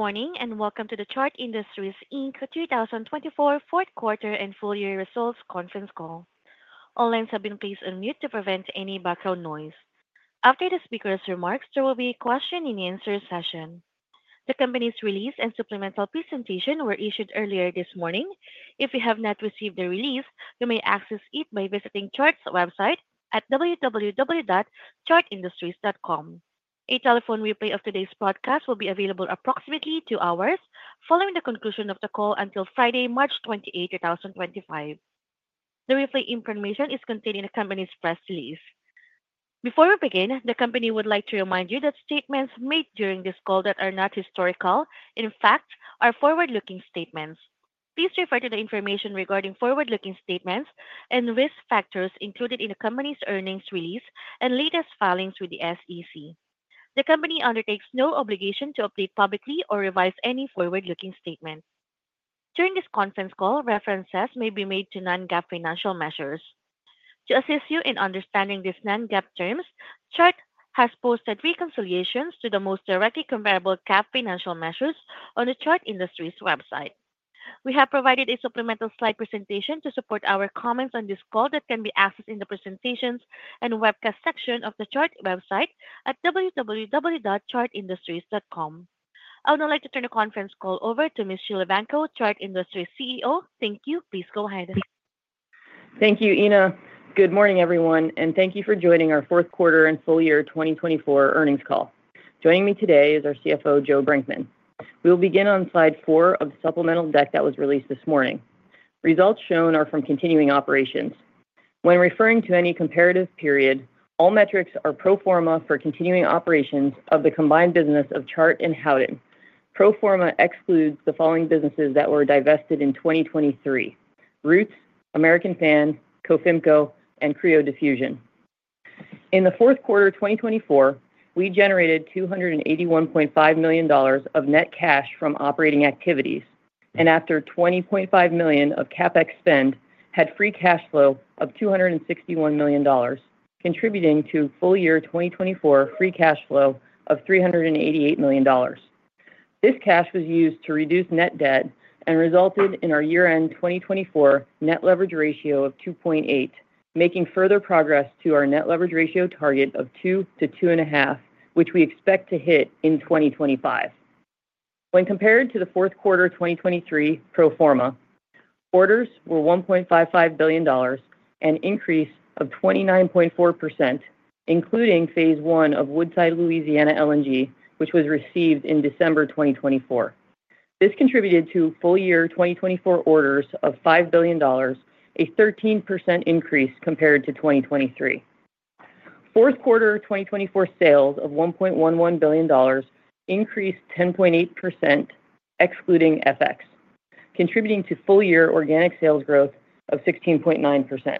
Good morning and welcome to the Chart Industries, Inc. 2024 Q4 and Full Year Results Conference Call. All lines have been placed on mute to prevent any background noise. After the speaker's remarks, there will be a question-and-answer session. The company's release and supplemental presentation were issued earlier this morning. If you have not received the release, you may access it by visiting Chart's website at www.chartindustries.com. A telephone replay of today's broadcast will be available approximately two hours following the conclusion of the call until Friday, March 28, 2025. The replay information is contained in the company's press release. Before we begin, the company would like to remind you that statements made during this call that are not historical, in fact, are forward-looking statements. Please refer to the information regarding forward-looking statements and risk factors included in the company's earnings release and latest filings with the SEC. The company undertakes no obligation to update publicly or revise any forward-looking statement. During this conference call, references may be made to non-GAAP financial measures. To assist you in understanding these non-GAAP terms, Chart has posted reconciliations to the most directly comparable GAAP financial measures on the Chart Industries website. We have provided a supplemental slide presentation to support our comments on this call that can be accessed in the presentations and webcast section of the Chart website at www.chartindustries.com. I would now like to turn the conference call over to Ms. Jillian Evanko, Chart Industries CEO. Thank you. Please go ahead. Thank you, Ina. Good morning, everyone, and thank you for joining our Q4 and Full Year 2024 earnings call. Joining me today is our CFO, Joe Brinkman. We will begin on slide four of the supplemental deck that was released this morning. Results shown are from continuing operations. When referring to any comparative period, all metrics are pro forma for continuing operations of the combined business of Chart and Howden. Pro forma excludes the following businesses that were divested in 2023: Roots, American Fan, Cofimco, and Cryo Diffusion. In the Q4 2024, we generated $281.5 million of net cash from operating activities, and after $20.5 million of CapEx spend, had free cash flow of $261 million, contributing to full year 2024 free cash flow of $388 million. This cash was used to reduce net debt and resulted in our year-end 2024 net leverage ratio of 2.8, making further progress to our net leverage ratio target of 2-2.5, which we expect to hit in 2025. When compared to the Q4 2023 pro forma, orders were $1.55 billion, an increase of 29.4%, including Phase 1 of Woodside Louisiana LNG, which was received in December 2024. This contributed to full year 2024 orders of $5 billion, a 13% increase compared to 2023. Q4 2024 sales of $1.11 billion increased 10.8%, excluding FX, contributing to full year organic sales growth of 16.9%.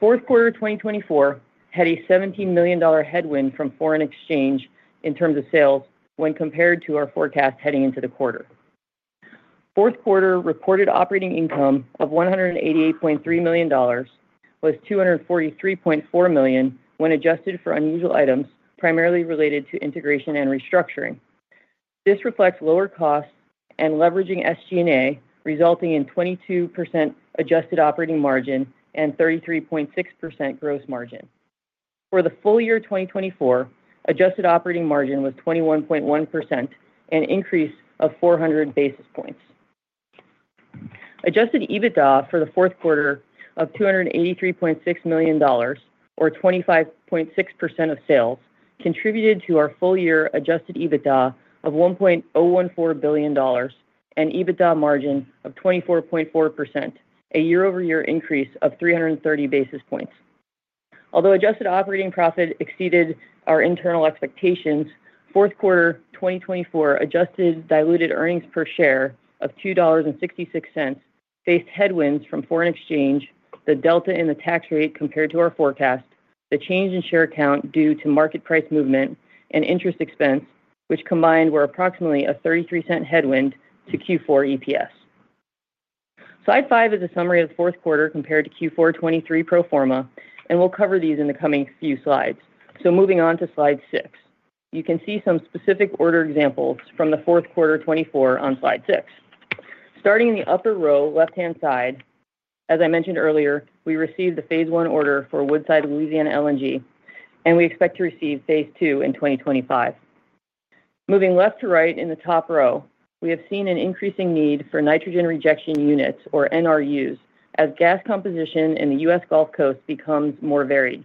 Q4 2024 had a $17 million headwind from foreign exchange in terms of sales when compared to our forecast heading into the quarter. Q4 reported operating income of $188.3 million was $243.4 million when adjusted for unusual items primarily related to integration and restructuring. This reflects lower costs and leveraging SG&A, resulting in 22% adjusted operating margin and 33.6% gross margin. For the full year 2024, adjusted operating margin was 21.1%, an increase of 400 basis points. Adjusted EBITDA for the Q4 of $283.6 million, or 25.6% of sales, contributed to our full year adjusted EBITDA of $1.014 billion and EBITDA margin of 24.4%, a year-over-year increase of 330 basis points. Although adjusted operating profit exceeded our internal expectations, Q4 2024 adjusted diluted earnings per share of $2.66 faced headwinds from foreign exchange, the delta in the tax rate compared to our forecast, the change in share count due to market price movement, and interest expense, which combined were approximately a $0.33 headwind to Q4 EPS. Slide five is a summary of the Q4 compared to Q4 2023 pro forma, and we'll cover these in the coming few slides. Moving on to slide six, you can see some specific order examples from the Q4 2024 on slide six. Starting in the upper row, left-hand side, as I mentioned earlier, we received the Phase 2 order for Woodside Louisiana LNG, and we expect to receive Phase 2 in 2025. Moving left to right in the top row, we have seen an increasing need for nitrogen rejection units, or NRUs, as gas composition in the U.S. Gulf Coast becomes more varied.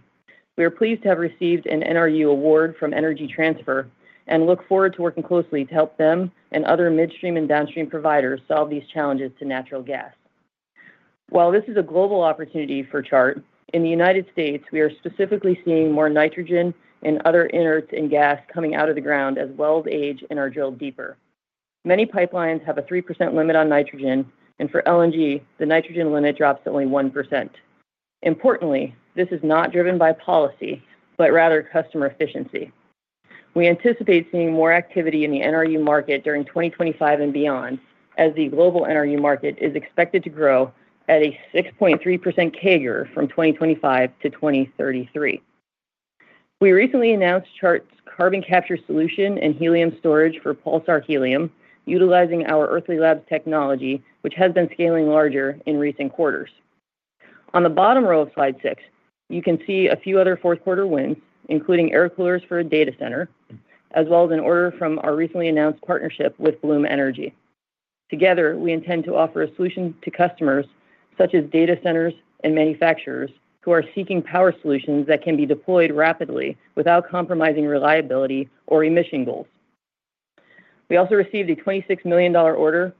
We are pleased to have received an NRU award from Energy Transfer and look forward to working closely to help them and other midstream and downstream providers solve these challenges to natural gas. While this is a global opportunity for Chart, in the United States, we are specifically seeing more nitrogen and other inerts and gas coming out of the ground as wells age and are drilled deeper. Many pipelines have a 3% limit on nitrogen, and for LNG, the nitrogen limit drops to only 1%. Importantly, this is not driven by policy, but rather customer efficiency. We anticipate seeing more activity in the NRU market during 2025 and beyond, as the global NRU market is expected to grow at a 6.3% CAGR from 2025 to 2033. We recently announced Chart's carbon capture solution and helium storage for Pulsar Helium, utilizing our Earthly Labs technology, which has been scaling larger in recent quarters. On the bottom row of slide six, you can see a few other Q4 wins, including air coolers for a data center, as well as an order from our recently announced partnership with Bloom Energy. Together, we intend to offer a solution to customers such as data centers and manufacturers who are seeking power solutions that can be deployed rapidly without compromising reliability or emission goals. We also received a $26 million order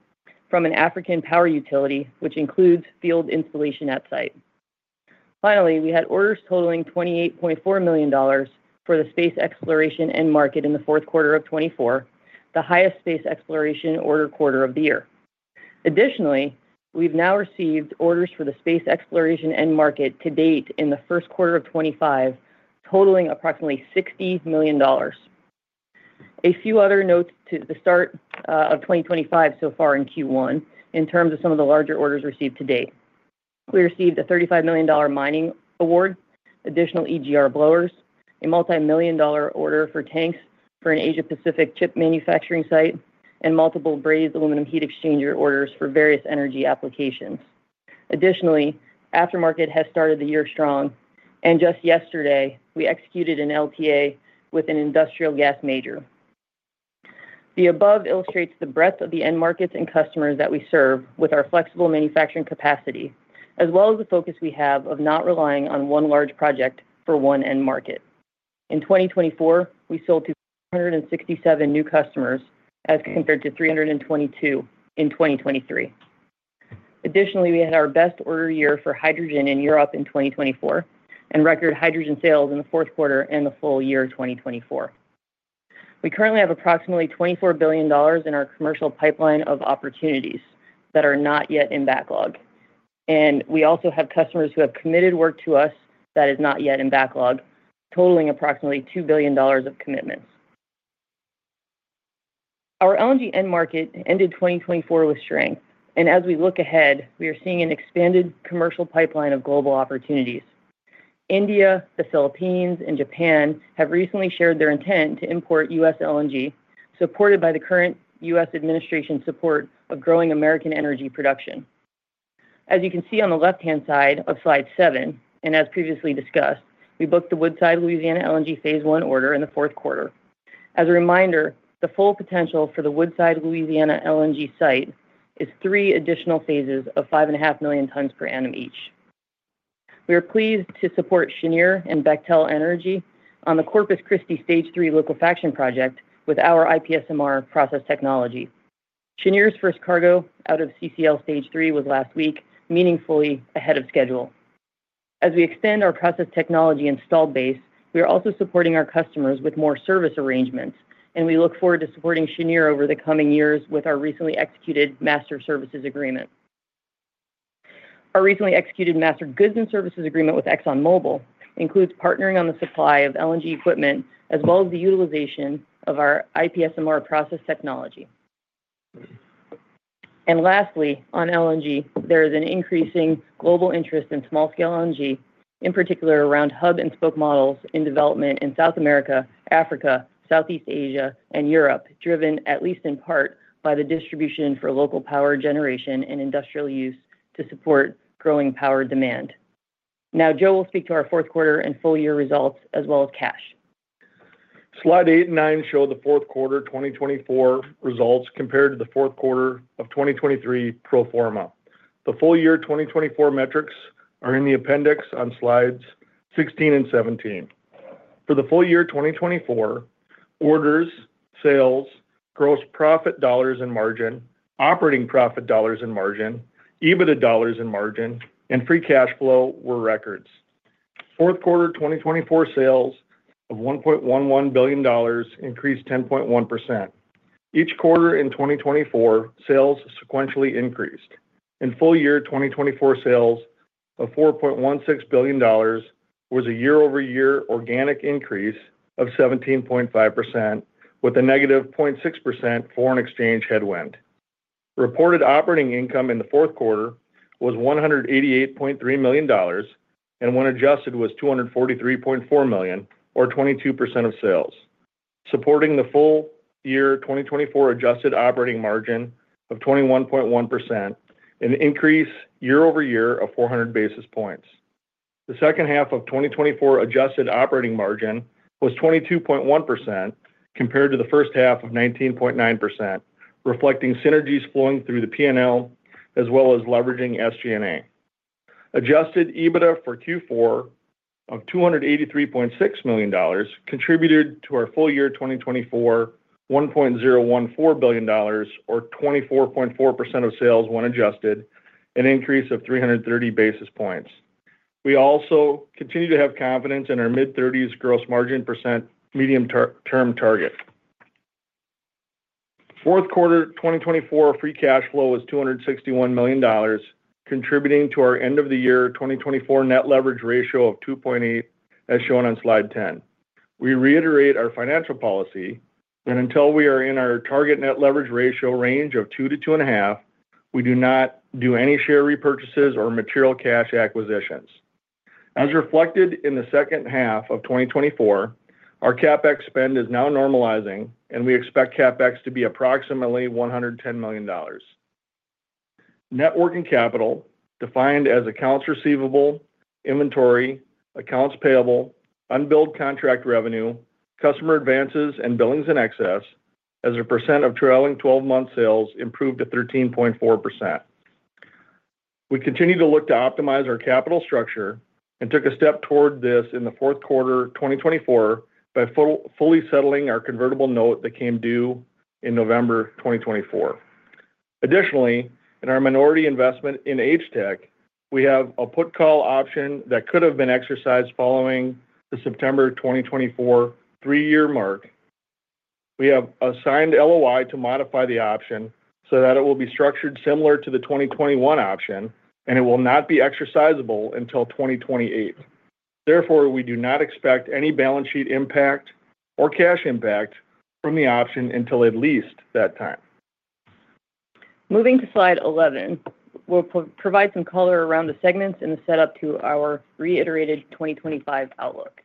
from an African power utility, which includes field installation at site. Finally, we had orders totaling $28.4 million for the space exploration end market in the Q4 of 2024, the highest space exploration order quarter of the year. Additionally, we've now received orders for the space exploration end market to date in the Q1 of 2025, totaling approximately $60 million. A few other notes to the start of 2025 so far in Q1 in terms of some of the larger orders received to date. We received a $35 million mining award, additional EGR blowers, a multi-million-dollar order for tanks for an Asia-Pacific chip manufacturing site, and multiple brazed aluminum heat exchanger orders for various energy applications. Additionally, aftermarket has started the year strong, and just yesterday, we executed an LTA with an industrial gas major. The above illustrates the breadth of the end markets and customers that we serve with our flexible manufacturing capacity, as well as the focus we have of not relying on one large project for one end market. In 2024, we sold to 467 new customers as compared to 322 in 2023. Additionally, we had our best order year for hydrogen in Europe in 2024 and record hydrogen sales in the Q4 and the full year 2024. We currently have approximately $24 billion in our commercial pipeline of opportunities that are not yet in backlog, and we also have customers who have committed work to us that is not yet in backlog, totaling approximately $2 billion of commitments. Our LNG end market ended 2024 with strength, and as we look ahead, we are seeing an expanded commercial pipeline of global opportunities. India, the Philippines, and Japan have recently shared their intent to import U.S. LNG, supported by the current U.S. administration's support of growing American energy production. As you can see on the left-hand side of slide seven, and as previously discussed, we booked the Woodside Louisiana LNG phase one order in the Q4. As a reminder, the full potential for the Woodside Louisiana LNG site is three additional phases of 5.5 million tons per annum each. We are pleased to support Cheniere and Bechtel Energy on the Corpus Christi Stage 3 liquefaction project with our IPSMR process technology. Cheniere's first cargo out of CCL Stage 3 was last week, meaningfully ahead of schedule. As we extend our process technology installed base, we are also supporting our customers with more service arrangements, and we look forward to supporting Cheniere over the coming years with our recently executed master services agreement. Our recently executed master goods and services agreement ExxonMobil includes partnering on the supply of LNG equipment, as well as the utilization of our IPSMR process technology. Lastly, on LNG, there is an increasing global interest in small-scale LNG, in particular around hub and spoke models in development in South America, Africa, Southeast Asia, and Europe, driven at least in part by the distribution for local power generation and industrial use to support growing power demand. Now, Joe will speak to our Q4 and full year results, as well as cash. Slide eight and nine show the Q4 2024 results compared to the Q4 of 2023 pro forma. The full year 2024 metrics are in the appendix on slides 16 and 17. For the full year 2024, orders, sales, gross profit dollars and margin, operating profit dollars and margin, EBITDA dollars and margin, and free cash flow were records. Q4 2024 sales of $1.11 billion increased 10.1%. Each quarter in 2024, sales sequentially increased. In full year 2024, sales of $4.16 billion was a year-over-year organic increase of 17.5%, with a negative 0.6% foreign exchange headwind. Reported operating income in the Q4 was $188.3 million, and when adjusted was $243.4 million, or 22% of sales, supporting the full year 2024 adjusted operating margin of 21.1%, an increase year-over-year of 400 basis points. The second half of 2024 adjusted operating margin was 22.1% compared to the first half of 19.9%, reflecting synergies flowing through the P&L, as well as leveraging SG&A. Adjusted EBITDA for Q4 of $283.6 million contributed to our full year 2024, $1.014 billion, or 24.4% of sales when adjusted, an increase of 330 basis points. We also continue to have confidence in our mid-30s gross margin % medium-term target. Q4 2024 free cash flow was $261 million, contributing to our end-of-the-year 2024 net leverage ratio of 2.8, as shown on slide 10. We reiterate our financial policy that until we are in our target net leverage ratio range of 2 to 2.5, we do not do any share repurchases or material cash acquisitions. As reflected in the second half of 2024, our CapEx spend is now normalizing, and we expect CapEx to be approximately $110 million. Net working capital, defined as accounts receivable, inventory, accounts payable, unbilled contract revenue, customer advances, and billings in excess, as a % of trailing 12-month sales improved to 13.4%. We continue to look to optimize our capital structure and took a step toward this in the Q4 2024 by fully settling our convertible note that came due in November 2024. Additionally, in our minority investment in HTEC, we have a put call option that could have been exercised following the September 2024 three-year mark. We have signed LOI to modify the option so that it will be structured similar to the 2021 option, and it will not be exercisable until 2028. Therefore, we do not expect any balance sheet impact or cash impact from the option until at least that time. Moving to slide 11, we'll provide some color around the segments and the setup to our reiterated 2025 outlook.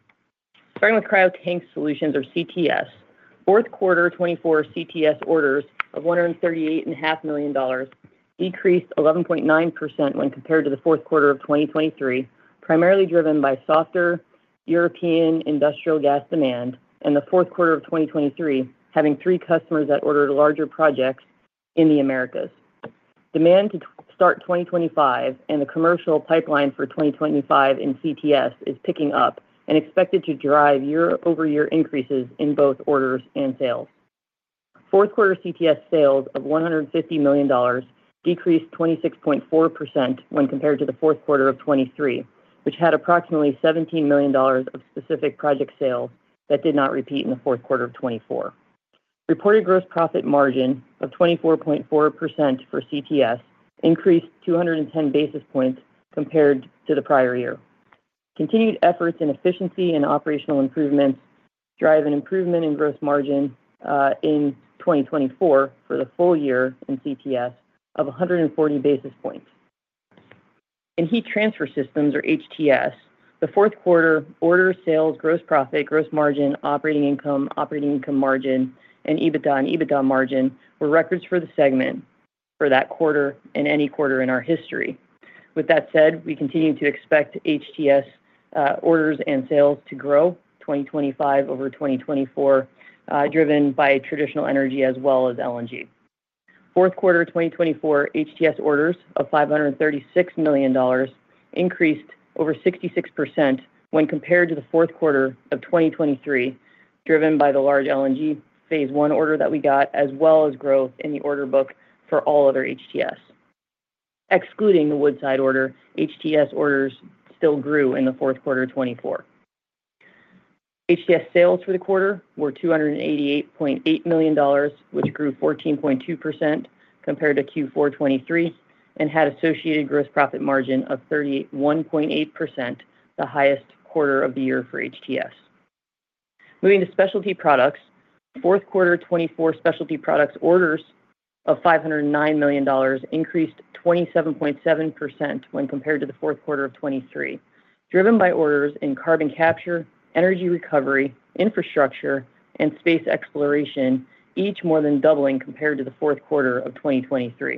Starting with Cryo Tank Solutions, or CTS, Q4 2024 CTS orders of $138.5 million decreased 11.9% when compared to the Q4 of 2023, primarily driven by softer European industrial gas demand, and the Q4 of 2023 having three customers that ordered larger projects in the Americas. Demand to start 2025 and the commercial pipeline for 2025 in CTS is picking up and expected to drive year-over-year increases in both orders and sales. Q4 CTS sales of $150 million decreased 26.4% when compared to the Q4 of 2023, which had approximately $17 million of specific project sales that did not repeat in the Q4 of 2024. Reported gross profit margin of 24.4% for CTS increased 210 basis points compared to the prior year. Continued efforts in efficiency and operational improvements drive an improvement in gross margin in 2024 for the full year in CTS of 140 basis points. In Heat Transfer Systems or HTS, the Q4 order sales, gross profit, gross margin, operating income, operating income margin, and EBITDA and EBITDA margin were records for the segment for that quarter and any quarter in our history. With that said, we continue to expect HTS orders and sales to grow 2025 over 2024, driven by traditional energy as well as LNG. Q4 2024 HTS orders of $536 million increased over 66% when compared to the Q4 of 2023, driven by the large LNG phase one order that we got, as well as growth in the order book for all other HTS. Excluding the Woodside order, HTS orders still grew in the Q4 2024. HTS sales for the quarter were $288.8 million, which grew 14.2% compared to Q4 2023 and had associated gross profit margin of 31.8%, the highest quarter of the year for HTS. Moving to Specialty products, Q4 2024 Specialty products orders of $509 million increased 27.7% when compared to the Q4 of 2023, driven by orders in carbon capture, energy recovery, infrastructure, and space exploration, each more than doubling compared to the Q4 of 2023. Q4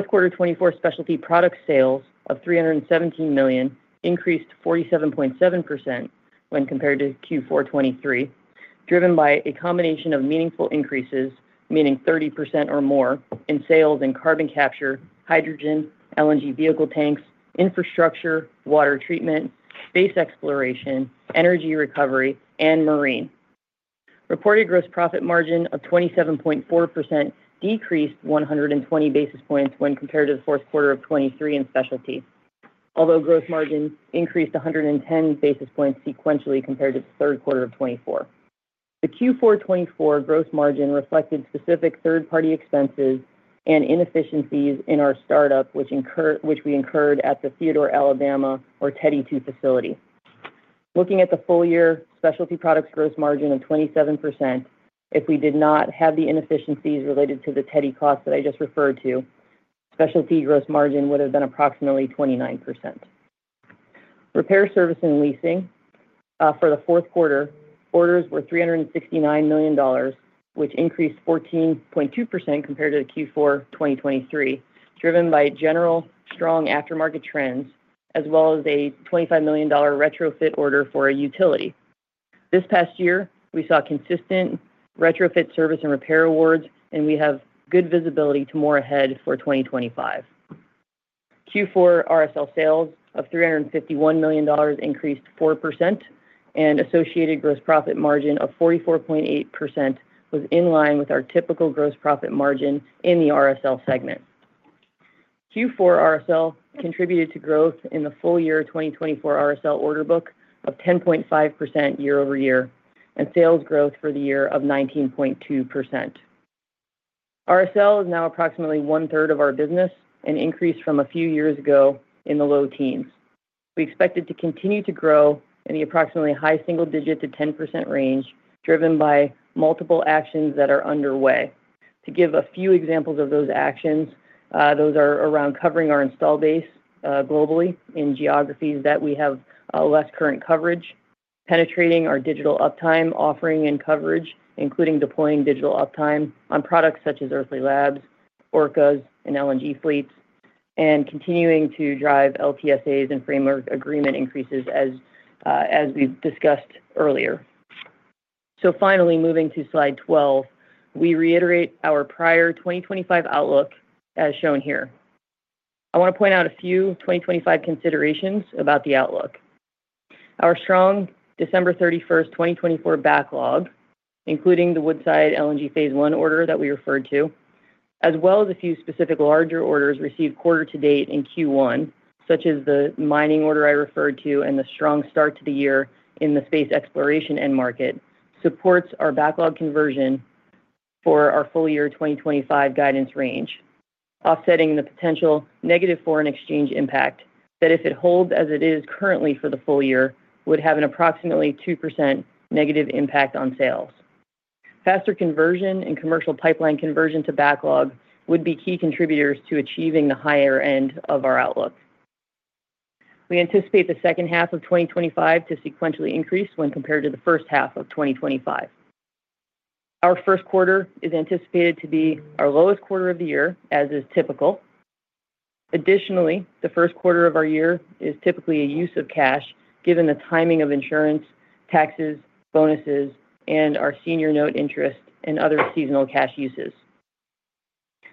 2024 Specialty product sales of $317 million increased 47.7% when compared to Q4 2023, driven by a combination of meaningful increases, meaning 30% or more in sales in carbon capture, hydrogen, LNG vehicle tanks, infrastructure, water treatment, space exploration, energy recovery, and marine. Reported gross profit margin of 27.4% decreased 120 basis points when compared to the Q4 of 2023 in Specialty, although gross margin increased 110 basis points sequentially compared to the Q3 of 2024. The Q4 2024 gross margin reflected specific third-party expenses and inefficiencies in our startup, which we incurred at the Theodore, Alabama, or Teddy 2 facility. Looking at the full year Specialty products gross margin of 27%, if we did not have the inefficiencies related to the Teddy costs that I just referred to, Specialty gross margin would have been approximately 29%. Repair, Service & Leasing for the Q4 orders were $369 million, which increased 14.2% compared to Q4 2023, driven by generally strong aftermarket trends, as well as a $25 million retrofit order for a utility. This past year, we saw consistent retrofit service and repair awards, and we have good visibility to more ahead for 2025. Q4 RSL sales of $351 million increased 4%, and associated gross profit margin of 44.8% was in line with our typical gross profit margin in the RSL segment. Q4 RSL contributed to growth in the full year 2024 RSL order book of 10.5% year-over-year and sales growth for the year of 19.2%. RSL is now approximately one-third of our business, an increase from a few years ago in the low teens. We expected to continue to grow in the approximately high single-digit to 10% range, driven by multiple actions that are underway. To give a few examples of those actions, those are around covering our install base globally in geographies that we have less current coverage, penetrating our digital uptime offering and coverage, including deploying digital uptime on products such as Earthly Labs, Orcas, and LNG fleets, and continuing to drive LTSAs and framework agreement increases, as we've discussed earlier, so finally, moving to slide 12, we reiterate our prior 2025 outlook as shown here. I want to point out a few 2025 considerations about the outlook. Our strong December 31st, 2024 backlog, including the Woodside LNG phase one order that we referred to, as well as a few specific larger orders received quarter to date in Q1, such as the mining order I referred to and the strong start to the year in the space exploration end market, supports our backlog conversion for our full year 2025 guidance range, offsetting the potential negative foreign exchange impact that, if it holds as it is currently for the full year, would have an approximately 2% negative impact on sales. Faster conversion and commercial pipeline conversion to backlog would be key contributors to achieving the higher end of our outlook. We anticipate the second half of 2025 to sequentially increase when compared to the first half of 2025. Our Q1 is anticipated to be our lowest quarter of the year, as is typical. Additionally, the Q1 of our year is typically a use of cash, given the timing of insurance, taxes, bonuses, and our senior note interest and other seasonal cash uses.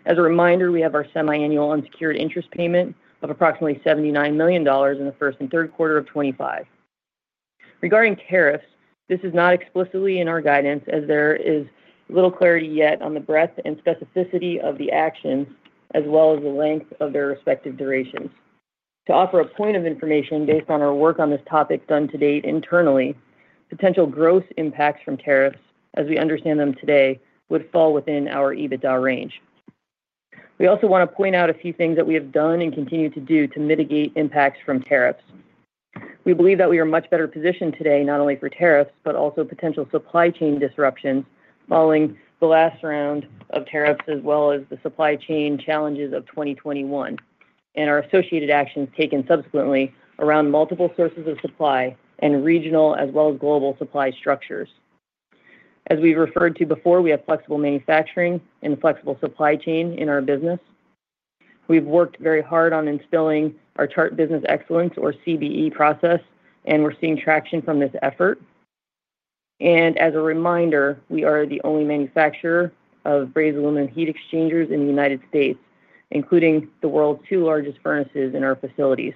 As a reminder, we have our semiannual unsecured interest payment of approximately $79 million in the first and Q3 of 2025. Regarding tariffs, this is not explicitly in our guidance, as there is little clarity yet on the breadth and specificity of the actions, as well as the length of their respective durations. To offer a point of information based on our work on this topic done to date internally, potential gross impacts from tariffs, as we understand them today, would fall within our EBITDA range. We also want to point out a few things that we have done and continue to do to mitigate impacts from tariffs. We believe that we are much better positioned today, not only for tariffs, but also potential supply chain disruptions following the last round of tariffs, as well as the supply chain challenges of 2021, and our associated actions taken subsequently around multiple sources of supply and regional, as well as global supply structures. As we've referred to before, we have flexible manufacturing and flexible supply chain in our business. We've worked very hard on instilling our Chart Business Excellence, or CBE, process, and we're seeing traction from this effort. And as a reminder, we are the only manufacturer of brazed aluminum heat exchangers in the United States, including the world's two largest furnaces in our facilities.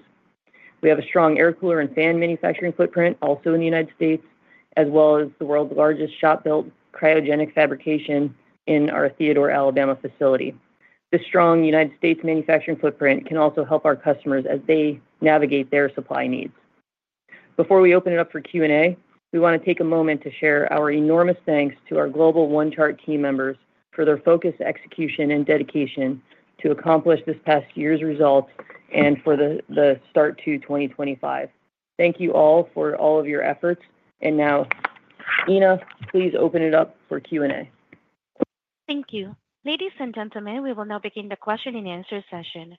We have a strong air cooler and fan manufacturing footprint also in the United States, as well as the world's largest shop-built cryogenic fabrication in our Theodore, Alabama, facility. This strong United States manufacturing footprint can also help our customers as they navigate their supply needs. Before we open it up for Q&A, we want to take a moment to share our enormous thanks to our Global One Chart team members for their focus, execution, and dedication to accomplish this past year's results and for the start to 2025. Thank you all for all of your efforts, and now, Ina, please open it up for Q&A. Thank you. Ladies and gentlemen, we will now begin the question and answer session.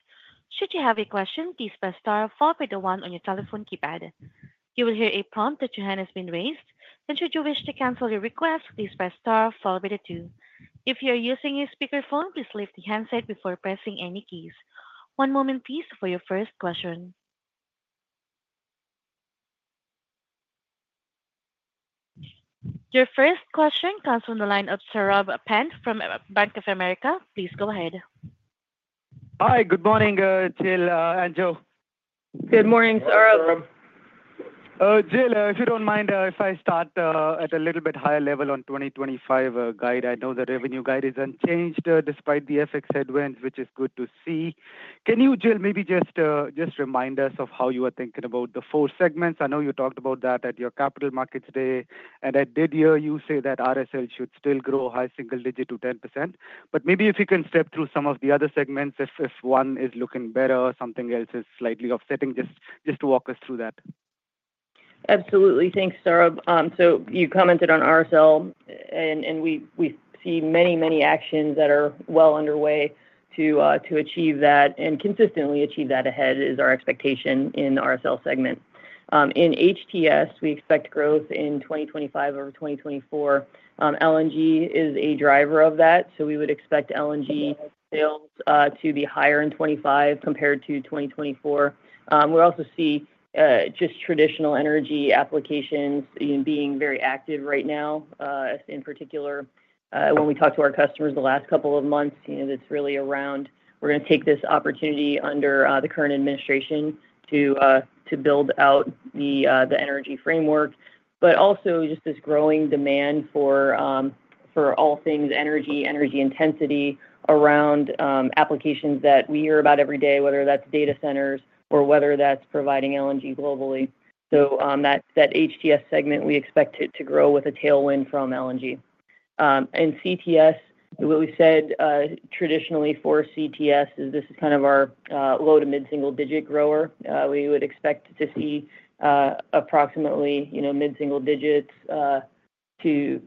Should you have a question, please press star followed by the one on your telephone keypad. You will hear a prompt that your hand has been raised. And should you wish to cancel your request, please press star followed by the two. If you are using a speakerphone, please lift the handset before pressing any keys. One moment, please, for your first question. Your first question comes from the line of Saurabh Pant from Bank of America. Please go ahead. Hi. Good morning, Jill and Joe. Good morning, Saurabh. Jill, if you don't mind, if I start at a little bit higher level on the 2025 guide, I know the revenue guide is unchanged despite the FX headwinds, which is good to see. Can you, Jill, maybe just remind us of how you are thinking about the four segments? I know you talked about that at your capital markets day, and I did hear you say that RSL should still grow high single digit to 10%. But maybe if you can step through some of the other segments, if one is looking better or something else is slightly offsetting, just to walk us through that? Absolutely. Thanks, Saurabh. So you commented on RSL, and we see many, many actions that are well underway to achieve that and consistently achieve that ahead is our expectation in the RSL segment. In HTS, we expect growth in 2025 over 2024. LNG is a driver of that, so we would expect LNG sales to be higher in 2025 compared to 2024. We also see just traditional energy applications being very active right now. In particular, when we talk to our customers the last couple of months, it's really around we're going to take this opportunity under the current administration to build out the energy framework, but also just this growing demand for all things energy, energy intensity around applications that we hear about every day, whether that's data centers or whether that's providing LNG globally. So that HTS segment, we expect it to grow with a tailwind from LNG. In CTS, what we said traditionally for CTS is this is kind of our low to mid-single digit grower. We would expect to see approximately mid-single digits in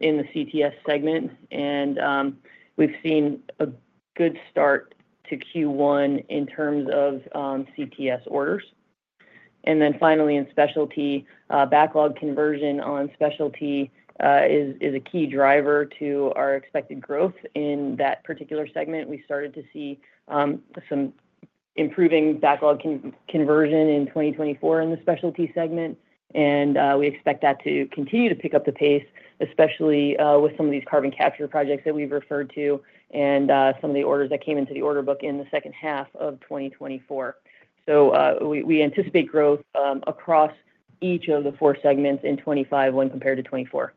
the CTS segment, and we've seen a good start to Q1 in terms of CTS orders. And then finally, in Specialty, backlog conversion on Specialty is a key driver to our expected growth in that particular segment. We started to see some improving backlog conversion in 2024 in the Specialty segment, and we expect that to continue to pick up the pace, especially with some of these carbon capture projects that we've referred to and some of the orders that came into the order book in the second half of 2024. So we anticipate growth across each of the four segments in 2025 when compared to 2024.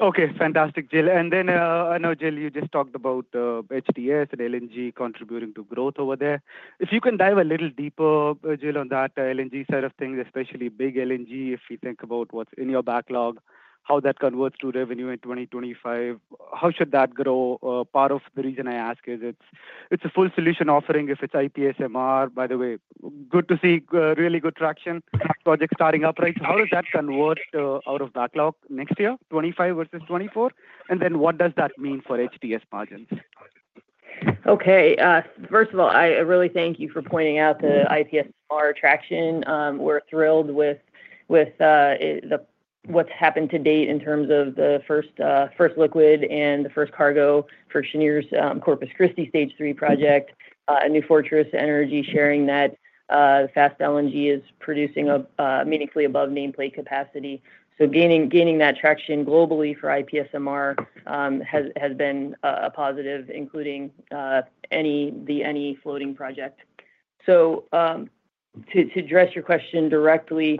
Okay. Fantastic, Jill. And then, I know, Jill, you just talked about HTS and LNG contributing to growth over there. If you can dive a little deeper, Jill, on that LNG side of things, especially big LNG, if you think about what's in your backlog, how that converts to revenue in 2025, how should that grow? Part of the reason I ask is it's a full solution offering if it's IPSMR. By the way, good to see really good traction projects starting up, right? So how does that convert out of backlog next year, 2025 versus 2024? And then what does that mean for HTS margins? Okay. First of all, I really thank you for pointing out the IPSMR traction. We're thrilled with what's happened to date in terms of the first liquid and the first cargo for Cheniere's Corpus Christi Stage 3 project, New Fortress Energy sharing that Fast LNG is producing meaningfully above nameplate capacity. So gaining that traction globally for IPSMR has been a positive, including any floating project. So to address your question directly,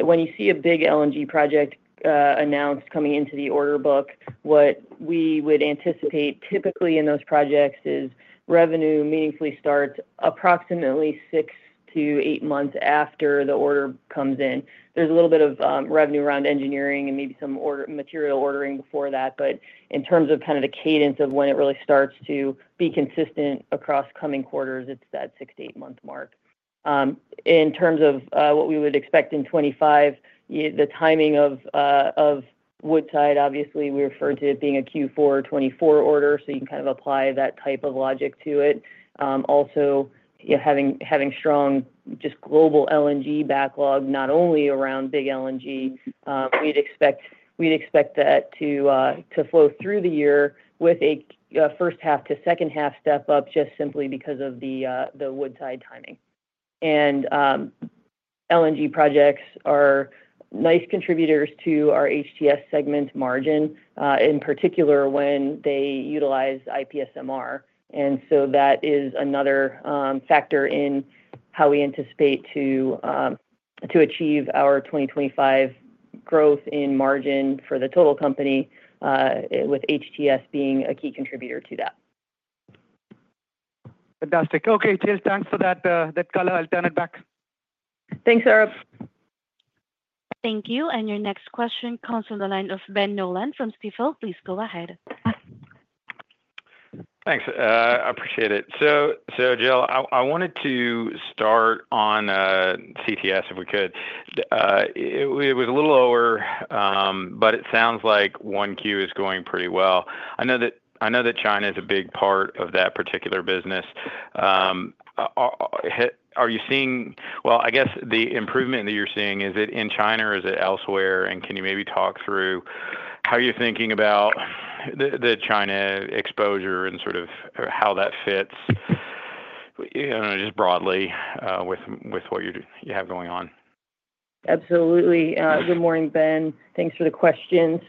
when you see a big LNG project announced coming into the order book, what we would anticipate typically in those projects is revenue meaningfully starts approximately six-to-eight months after the order comes in. There's a little bit of revenue around engineering and maybe some material ordering before that, but in terms of kind of the cadence of when it really starts to be consistent across coming quarters, it's that six-to-eight-month mark. In terms of what we would expect in 2025, the timing of Woodside, obviously, we refer to it being a Q4 2024 order, so you can kind of apply that type of logic to it. Also, having strong just global LNG backlog, not only around big LNG, we'd expect that to flow through the year with a first half to second half step up just simply because of the Woodside timing. And LNG projects are nice contributors to our HTS segment margin, in particular when they utilize IPSMR. And so that is another factor in how we anticipate to achieve our 2025 growth in margin for the total company, with HTS being a key contributor to that. Fantastic. Okay, Jill, thanks for that color. I'll turn it back. Thanks, Saurabh. Thank you. And your next question comes from the line of Ben Nolan from Stifel. Please go ahead. Thanks. I appreciate it. So, Jill, I wanted to start on CTS if we could. It was a little lower, but it sounds like 1Q is going pretty well. I know that China is a big part of that particular business. Are you seeing, well, I guess the improvement that you're seeing, is it in China or is it elsewhere? And can you maybe talk through how you're thinking about the China exposure and sort of how that fits, just broadly, with what you have going on? Absolutely. Good morning, Ben. Thanks for the questions.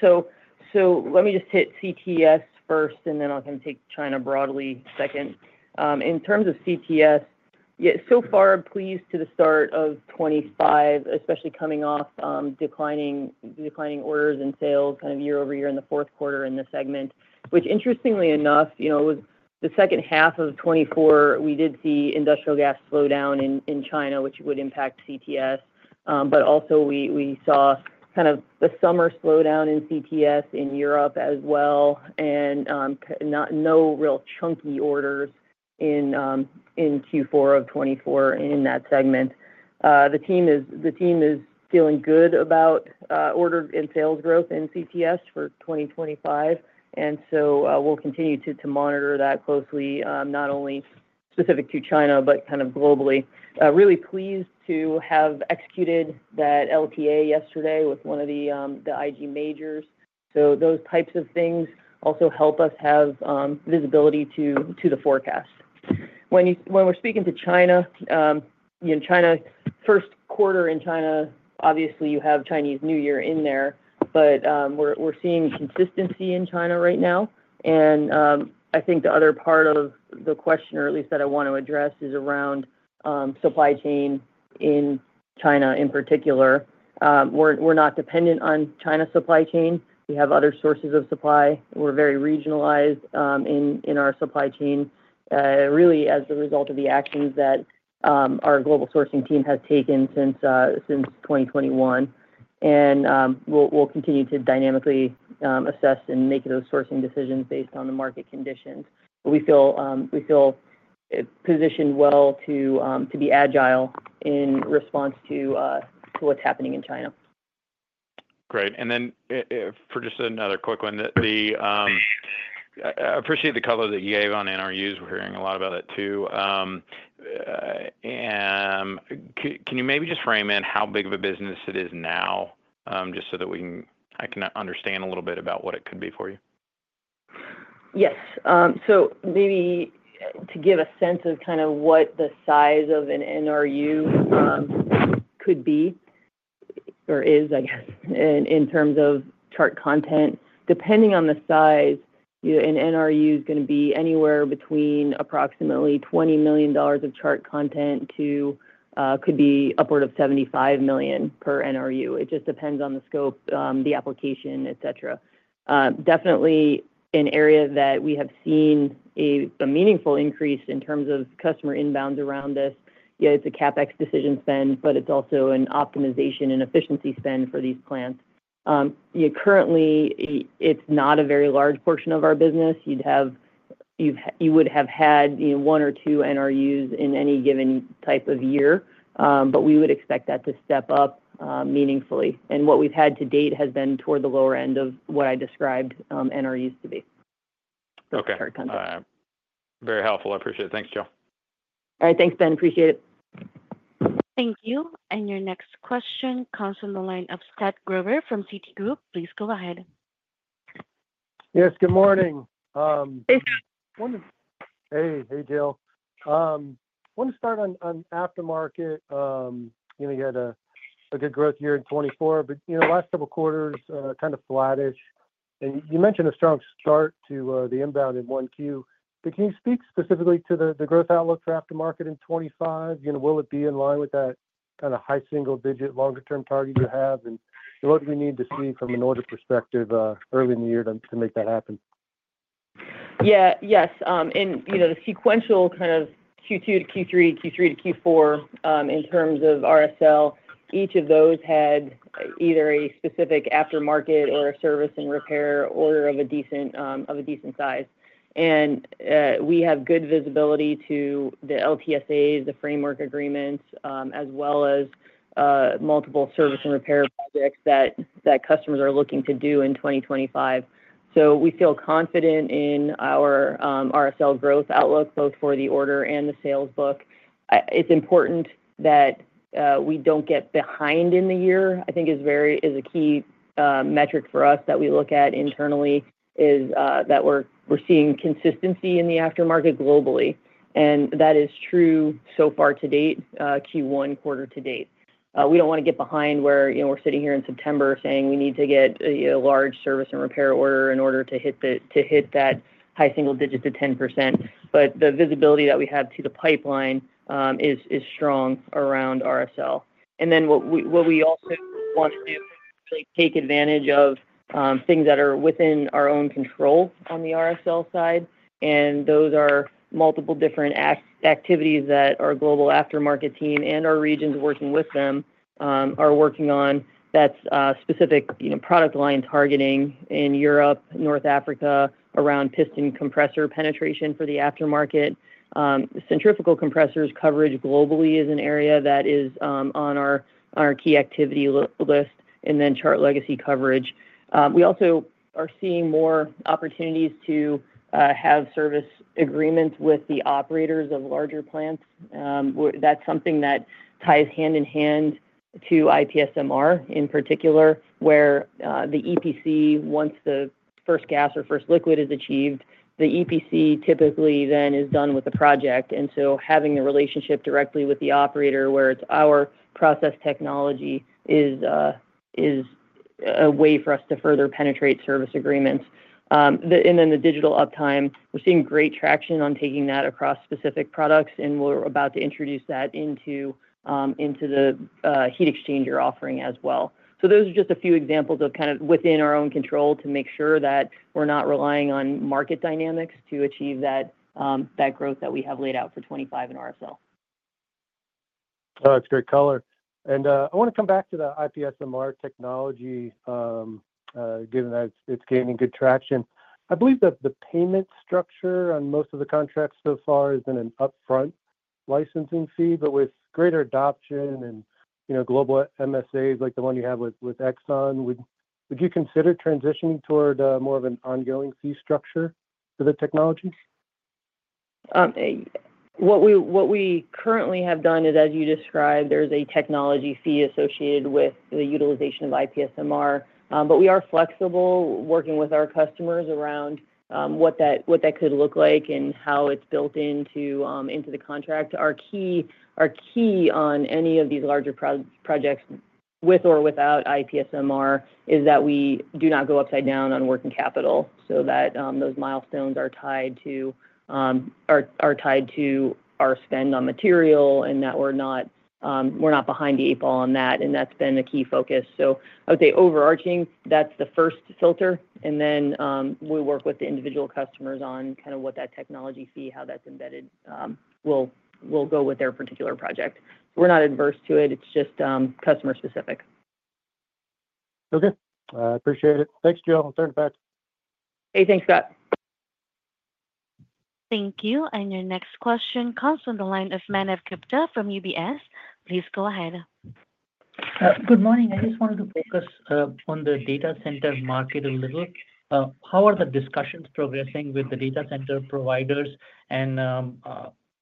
So let me just hit CTS first, and then I'll kind of take China broadly second. In terms of CTS, so far, please, to the start of 2025, especially coming off declining orders and sales kind of year over year in the Q4 in the segment, which, interestingly enough, the second half of 2024, we did see industrial gas slow down in China, which would impact CTS. But also, we saw kind of the summer slowdown in CTS in Europe as well and no real chunky orders in Q4 of 2024 in that segment. The team is feeling good about order and sales growth in CTS for 2025, and so we'll continue to monitor that closely, not only specific to China but kind of globally. Really pleased to have executed that LTA yesterday with one of the IG majors. So those types of things also help us have visibility to the forecast. When we're speaking to China, Q1 in China, obviously, you have Chinese New Year in there, but we're seeing consistency in China right now. And I think the other part of the question, or at least that I want to address, is around supply chain in China in particular. We're not dependent on China's supply chain. We have other sources of supply. We're very regionalized in our supply chain, really as a result of the actions that our global sourcing team has taken since 2021. And we'll continue to dynamically assess and make those sourcing decisions based on the market conditions. But we feel positioned well to be agile in response to what's happening in China. Great. And then for just another quick one, I appreciate the color that you gave on NRUs. We're hearing a lot about it too. Can you maybe just frame in how big of a business it is now, just so that I can understand a little bit about what it could be for you? Yes, so maybe to give a sense of kind of what the size of an NRU could be or is, I guess, in terms of Chart content, depending on the size, an NRU is going to be anywhere between approximately $20 million of Chart content to could be upward of $75 million per NRU. It just depends on the scope, the application, etc. Definitely an area that we have seen a meaningful increase in terms of customer inbounds around this. It's a CapEx decision spend, but it's also an optimization and efficiency spend for these plants. Currently, it's not a very large portion of our business. You would have had one or two NRUs in any given type of year, but we would expect that to step up meaningfully, and what we've had to date has been toward the lower end of what I described NRUs to be. Okay. Very helpful. I appreciate it. Thanks, Joe. All right. Thanks, Ben. Appreciate it. Thank you. And your next question comes from the line of Scott Gruber from Citi. Please go ahead. Yes. Good morning. Hey, Jill. I want to start on aftermarket. You had a good growth year in 2024, but the last couple of quarters kind of flattish. And you mentioned a strong start to the inbound in 1Q. But can you speak specifically to the growth outlook for aftermarket in 2025? Will it be in line with that kind of high single digit longer-term target you have? And what do we need to see from an order perspective early in the year to make that happen? Yeah. Yes. And the sequential kind of Q2 to Q3, Q3 to Q4 in terms of RSL, each of those had either a specific aftermarket or a service and repair order of a decent size. And we have good visibility to the LTSAs, the framework agreements, as well as multiple service and repair projects that customers are looking to do in 2025. So we feel confident in our RSL growth outlook, both for the order and the sales book. It's important that we don't get behind in the year. I think is a key metric for us that we look at internally is that we're seeing consistency in the aftermarket globally. And that is true so far to date, Q1 quarter to date. We don't want to get behind where we're sitting here in September saying we need to get a large service and repair order in order to hit that high single digit to 10%. But the visibility that we have to the pipeline is strong around RSL. And then what we also want to do is take advantage of things that are within our own control on the RSL side. And those are multiple different activities that our global aftermarket team and our regions working with them are working on that specific product line targeting in Europe, North Africa, around piston compressor penetration for the aftermarket. Centrifugal compressors coverage globally is an area that is on our key activity list, and then Chart legacy coverage. We also are seeing more opportunities to have service agreements with the operators of larger plants. That's something that ties hand in hand to IPSMR in particular, where the EPC, once the first gas or first liquid is achieved, the EPC typically then is done with the project. And so having the relationship directly with the operator where it's our process technology is a way for us to further penetrate service agreements. And then the digital uptime, we're seeing great traction on taking that across specific products, and we're about to introduce that into the heat exchanger offering as well. So those are just a few examples of kind of within our own control to make sure that we're not relying on market dynamics to achieve that growth that we have laid out for 2025 in RSL. That's great color. And I want to come back to the IPSMR technology, given that it's gaining good traction. I believe that the payment structure on most of the contracts so far has been an upfront licensing fee, but with greater adoption and global MSAs like the one you have with Exxon, would you consider transitioning toward more of an ongoing fee structure for the technology? What we currently have done is, as you described, there's a technology fee associated with the utilization of IPSMR. But we are flexible working with our customers around what that could look like and how it's built into the contract. Our key on any of these larger projects, with or without IPSMR, is that we do not go upside down on working capital so that those milestones are tied to our spend on material and that we're not behind the eight ball on that. And that's been a key focus. So I would say overarching, that's the first filter. And then we work with the individual customers on kind of what that technology fee, how that's embedded, will go with their particular project. We're not adverse to it. It's just customer-specific. Okay. I appreciate it. Thanks, Joe. I'm turning back. Hey, thanks, Scott. Thank you. And your next question comes from the line of Manav Gupta from UBS. Please go ahead. Good morning. I just wanted to focus on the data center market a little. How are the discussions progressing with the data center providers? And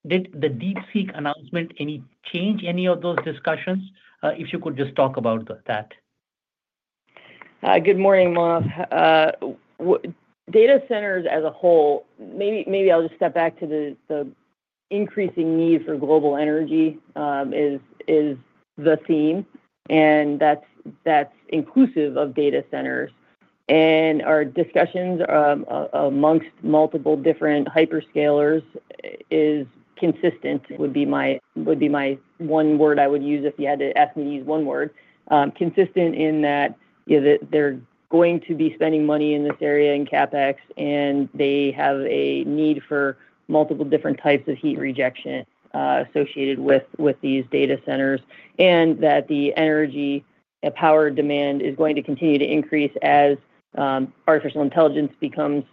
did the DeepSeek announcement change any of those discussions? If you could just talk about that. Good morning, Manav. Data centers as a whole, maybe I'll just step back to the increasing need for global energy is the theme, and that's inclusive of data centers. Our discussions amongst multiple different hyperscalers is consistent would be my one word I would use if you had to ask me to use one word. Consistent in that they're going to be spending money in this area in CapEx, and they have a need for multiple different types of heat rejection associated with these data centers, and that the energy power demand is going to continue to increase as artificial intelligence becomes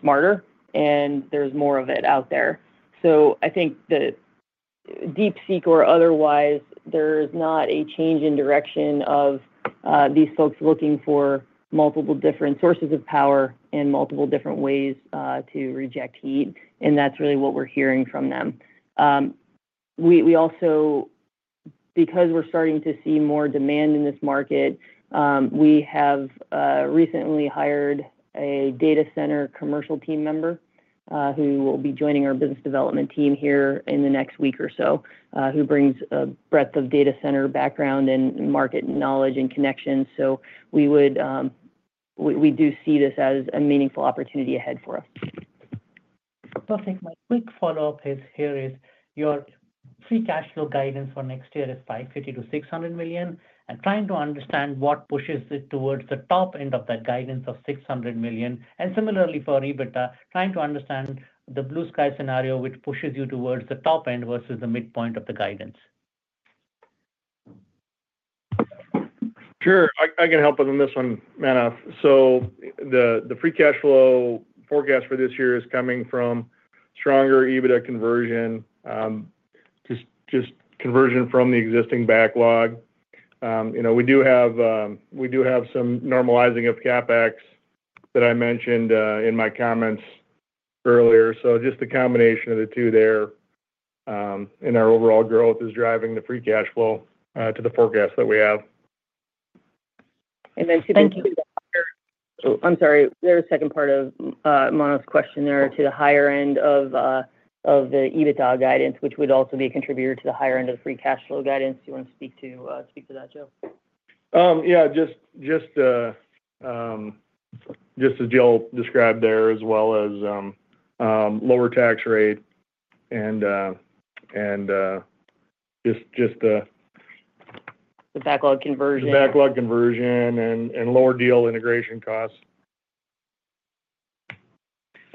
smarter and there's more of it out there. So I think the DeepSeek or otherwise, there is not a change in direction of these folks looking for multiple different sources of power in multiple different ways to reject heat. That's really what we're hearing from them. We also, because we're starting to see more demand in this market, we have recently hired a data center commercial team member who will be joining our business development team here in the next week or so, who brings a breadth of data center background and market knowledge and connections. So we do see this as a meaningful opportunity ahead for us. Perfect. My quick follow-up here is your free cash flow guidance for next year is $550-$600 million. I'm trying to understand what pushes it towards the top end of that guidance of $600 million, and similarly for EBITDA, trying to understand the blue sky scenario which pushes you towards the top end versus the midpoint of the guidance. Sure. I can help with this one, Manav. So the free cash flow forecast for this year is coming from stronger EBITDA conversion, just conversion from the existing backlog. We do have some normalizing of CapEx that I mentioned in my comments earlier. So just the combination of the two there in our overall growth is driving the free cash flow to the forecast that we have. And then to the. Thank you. I'm sorry. There's a second part of Manav's question there to the higher end of the EBITDA guidance, which would also be a contributor to the higher end of the Free Cash Flow guidance. Do you want to speak to that, Joe? Yeah. Just as Joe described there, as well as lower tax rate and just the. The backlog conversion. The backlog conversion and lower deal integration costs.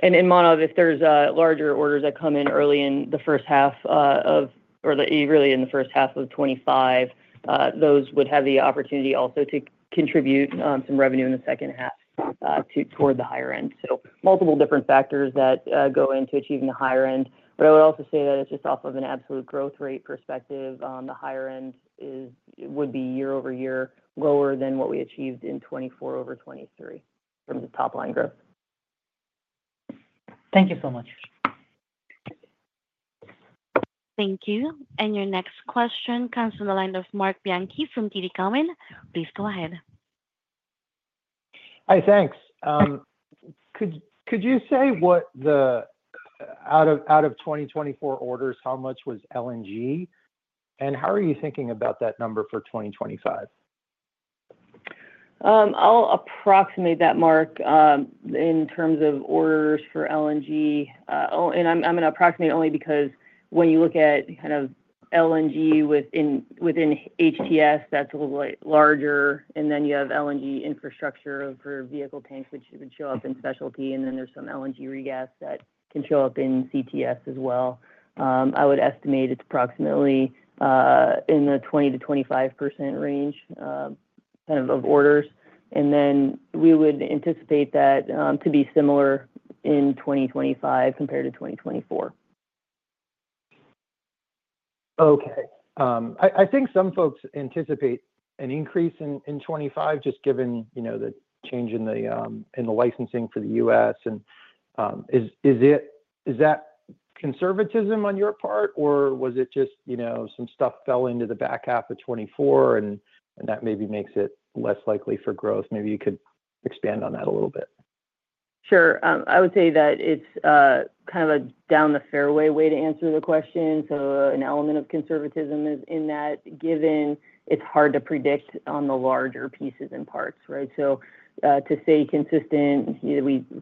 In MEA, if there's larger orders that come in early in the first half of 2025, those would have the opportunity also to contribute some revenue in the second half toward the higher end. Multiple different factors that go into achieving the higher end. I would also say that it's just off of an absolute growth rate perspective, the higher end would be year over year lower than what we achieved in 2024 over 2023 from the top line growth. Thank you so much. Thank you. And your next question comes from the line of Marc Bianchi from TD Cowen. Please go ahead. Hi, thanks. Could you say what the outlook for 2024 orders, how much was LNG? And how are you thinking about that number for 2025? I'll approximate that, Mark, in terms of orders for LNG. And I'm going to approximate only because when you look at kind of LNG within HTS, that's a little bit larger. And then you have LNG infrastructure for vehicle tanks, which would show up in Specialty. And then there's some LNG re-gas that can show up in CTS as well. I would estimate it's approximately in the 20%-25% range kind of orders. And then we would anticipate that to be similar in 2025 compared to 2024. Okay. I think some folks anticipate an increase in 2025 just given the change in the licensing for the U.S. And is that conservatism on your part, or was it just some stuff fell into the back half of 2024 and that maybe makes it less likely for growth? Maybe you could expand on that a little bit. Sure. I would say that it's kind of a down-the-fairway way to answer the question. So an element of conservatism is in that given it's hard to predict on the larger pieces and parts, right? So to stay consistent,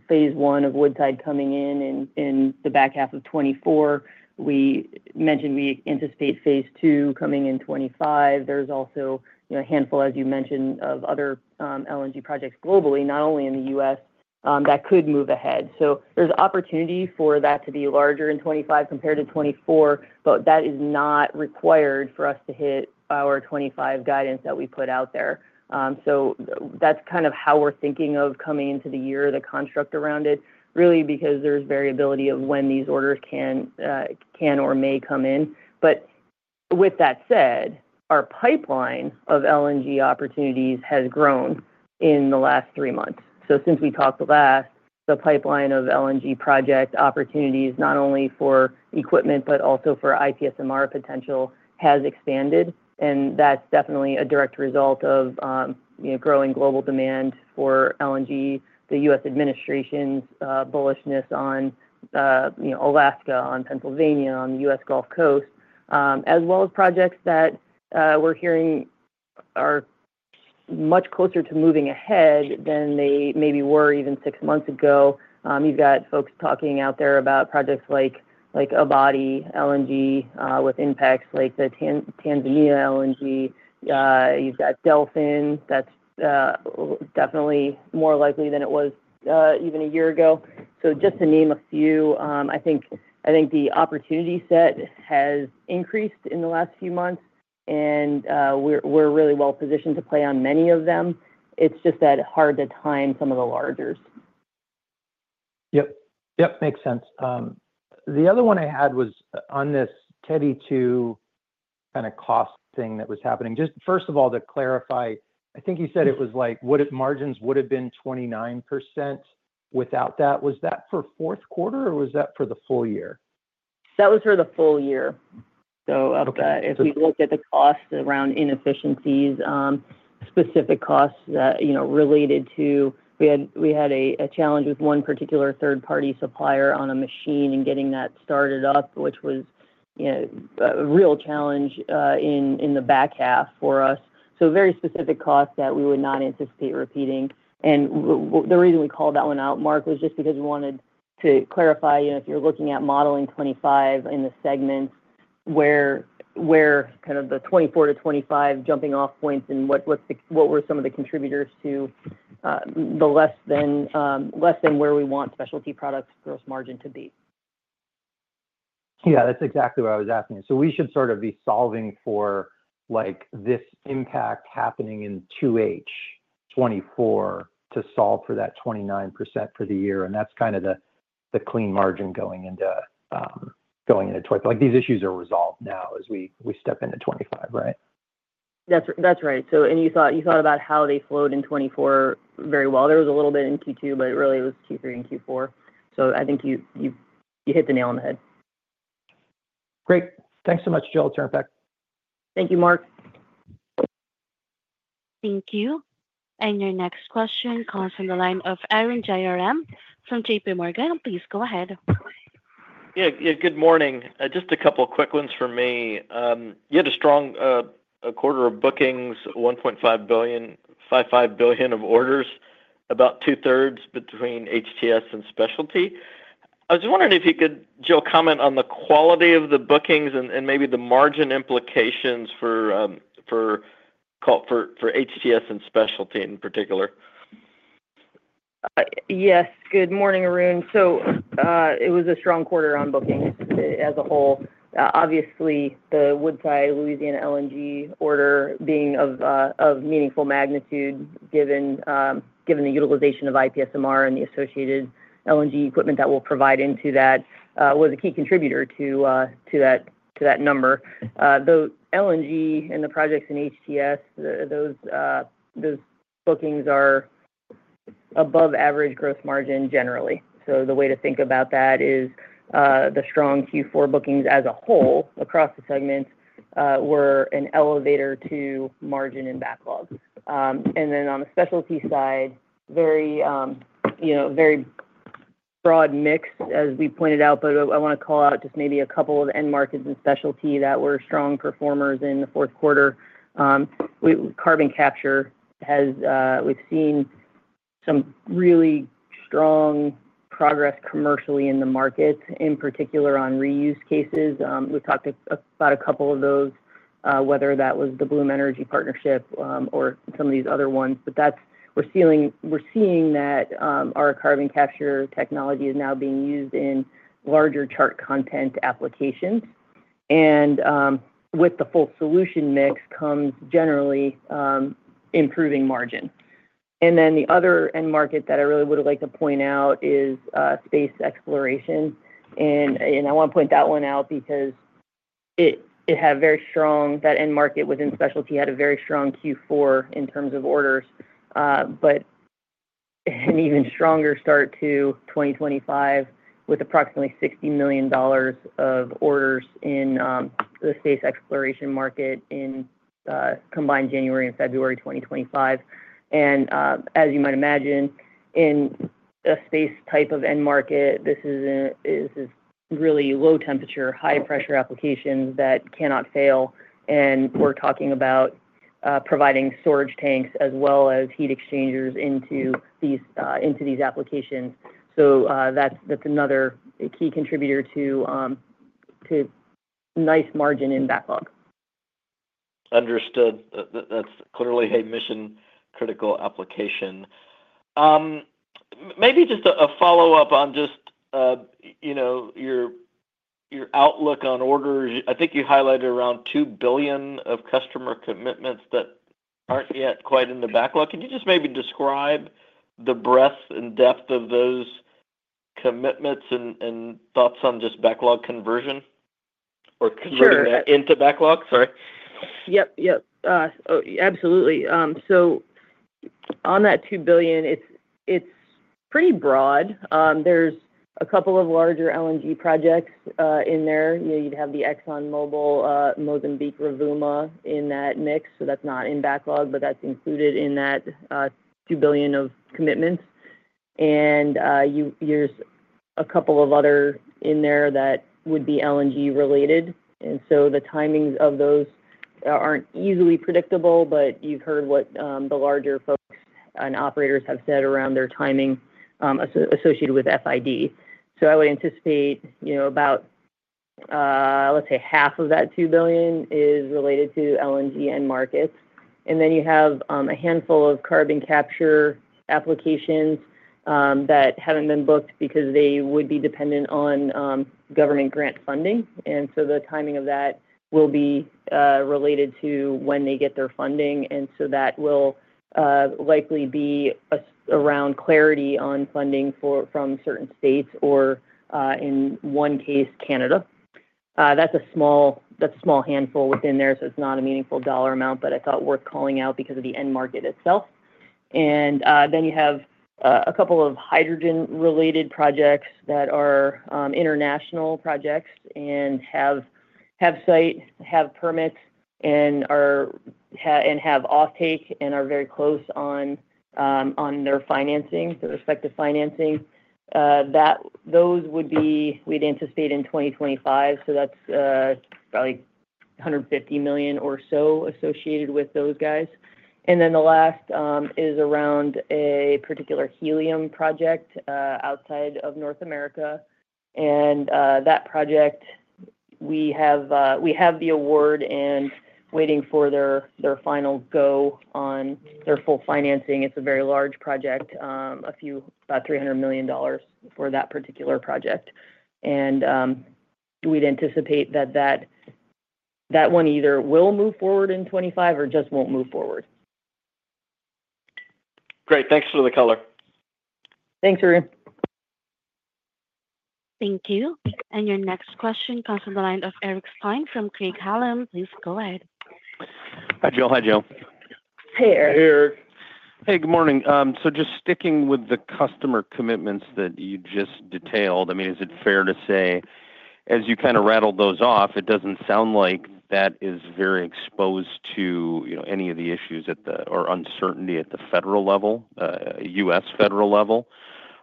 phase one of Woodside coming in in the back half of 2024, we mentioned we anticipate phase two coming in 2025. There's also a handful, as you mentioned, of other LNG projects globally, not only in the U.S., that could move ahead. So there's opportunity for that to be larger in 2025 compared to 2024, but that is not required for us to hit our 2025 guidance that we put out there. So that's kind of how we're thinking of coming into the year, the construct around it, really because there's variability of when these orders can or may come in. But with that said, our pipeline of LNG opportunities has grown in the last three months. So since we talked last, the pipeline of LNG project opportunities, not only for equipment, but also for IPSMR potential, has expanded. And that's definitely a direct result of growing global demand for LNG, the U.S. administration's bullishness on Alaska, on Pennsylvania, on the U.S. Gulf Coast, as well as projects that we're hearing are much closer to moving ahead than they maybe were even six months ago. You've got folks talking out there about projects like Abadi LNG with Inpex like the Tanzania LNG. You've got Delfin. That's definitely more likely than it was even a year ago. So just to name a few, I think the opportunity set has increased in the last few months, and we're really well positioned to play on many of them. It's just that hard to time some of the large orders. Yep. Yep. Makes sense. The other one I had was on this Teddy 2 kind of cost thing that was happening. Just first of all, to clarify, I think you said it was like margins would have been 29% without that. Was that for Q4, or was that for the full year? That was for the full year. So if we look at the cost around inefficiencies, specific costs related to we had a challenge with one particular third-party supplier on a machine and getting that started up, which was a real challenge in the back half for us. So very specific costs that we would not anticipate repeating. And the reason we called that one out, Mark, was just because we wanted to clarify if you're looking at modeling 2025 in the segments, where kind of the 2024 to 2025 jumping-off points and what were some of the contributors to the less than where we want Specialty Products gross margin to be. Yeah, that's exactly what I was asking. So we should sort of be solving for this impact happening in 2H 2024 to solve for that 29% for the year. And that's kind of the clean margin going into 2024. These issues are resolved now as we step into 2025, right? That's right. And you thought about how they flowed in 2024 very well. There was a little bit in Q2, but it really was Q3 and Q4. So I think you hit the nail on the head. Great. Thanks so much, Joe. Turn it back. Thank you, Mark. Thank you. And your next question comes from the line of Arun Jayaram from J.P. Morgan. Please go ahead. Yeah. Good morning. Just a couple of quick ones for me. You had a strong quarter of bookings, $1.5 billion, $5.5 billion of orders, about two-thirds between HTS and Specialty. I was wondering if you could, Joe, comment on the quality of the bookings and maybe the margin implications for HTS and Specialty in particular. Yes. Good morning, Arun. So it was a strong quarter on bookings as a whole. Obviously, the Woodside Louisiana LNG order being of meaningful magnitude given the utilization of IPSMR and the associated LNG equipment that we'll provide into that was a key contributor to that number. The LNG and the projects in HTS, those bookings are above-average gross margin generally. So the way to think about that is the strong Q4 bookings as a whole across the segments were an elevator to margin and backlog. And then on the Specialty side, very broad mix, as we pointed out, but I want to call out just maybe a couple of end markets and Specialty that were strong performers in the Q4. Carbon capture. We've seen some really strong progress commercially in the market, in particular on reuse cases. We've talked about a couple of those, whether that was the Bloom Energy Partnership or some of these other ones. But we're seeing that our carbon capture technology is now being used in larger Chart component applications. And with the full solution mix comes generally improving margin. And then the other end market that I really would have liked to point out is space exploration. And I want to point that one out because it had a very strong. That end market within Specialty had a very strong Q4 in terms of orders, but an even stronger start to 2025 with approximately $60 million of orders in the space exploration market in combined January and February 2025. And as you might imagine, in a space type of end market, this is really low temperature, high pressure applications that cannot fail. We're talking about providing storage tanks as well as heat exchangers into these applications. That's another key contributor to nice margin in backlog. Understood. That's clearly a mission-critical application. Maybe just a follow-up on just your outlook on orders. I think you highlighted around $2 billion of customer commitments that aren't yet quite in the backlog. Could you just maybe describe the breadth and depth of those commitments and thoughts on just backlog conversion or converting that into backlog? Sorry. Yep. Yep. Absolutely. So on that $2 billion, it's pretty broad. There's a couple of larger LNG projects in there. You'd have the ExxonMobil, Mozambique, Rovuma in that mix. So that's not in backlog, but that's included in that $2 billion of commitments. And there's a couple of other in there that would be LNG related. And so the timings of those aren't easily predictable, but you've heard what the larger folks and operators have said around their timing associated with FID. So I would anticipate about, let's say, $1 billion is related to LNG and markets. And then you have a handful of carbon capture applications that haven't been booked because they would be dependent on government grant funding. And so the timing of that will be related to when they get their funding. And so that will likely be around clarity on funding from certain states or, in one case, Canada. That's a small handful within there, so it's not a meaningful dollar amount, but I thought worth calling out because of the end market itself. And then you have a couple of hydrogen-related projects that are international projects and have site, have permits, and have offtake and are very close on their financing, the respective financing. Those would be we'd anticipate in 2025. So that's probably $150 million or so associated with those guys. And then the last is around a particular helium project outside of North America. And that project, we have the award and waiting for their final go on their full financing. It's a very large project, about $300 million for that particular project. We'd anticipate that that one either will move forward in 2025 or just won't move forward. Great. Thanks for the color. Thanks, Arun. Thank you. And your next question comes from the line of Eric Stine from Craig-Hallum. Please go ahead. Hi, Jill. Hi, Jill. Hey, Eric. Hey, Eric. Hey, good morning. So just sticking with the customer commitments that you just detailed, I mean, is it fair to say, as you kind of rattled those off, it doesn't sound like that is very exposed to any of the issues or uncertainty at the federal level, U.S. federal level?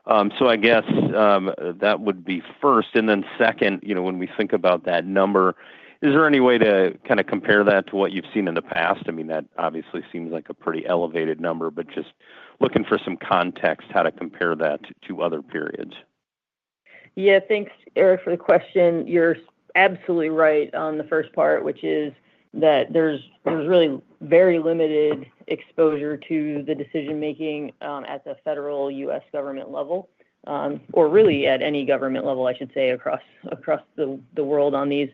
So I guess that would be first. And then second, when we think about that number, is there any way to kind of compare that to what you've seen in the past? I mean, that obviously seems like a pretty elevated number, but just looking for some context, how to compare that to other periods? Yeah. Thanks, Eric, for the question. You're absolutely right on the first part, which is that there's really very limited exposure to the decision-making at the federal U.S. government level, or really at any government level, I should say, across the world on these.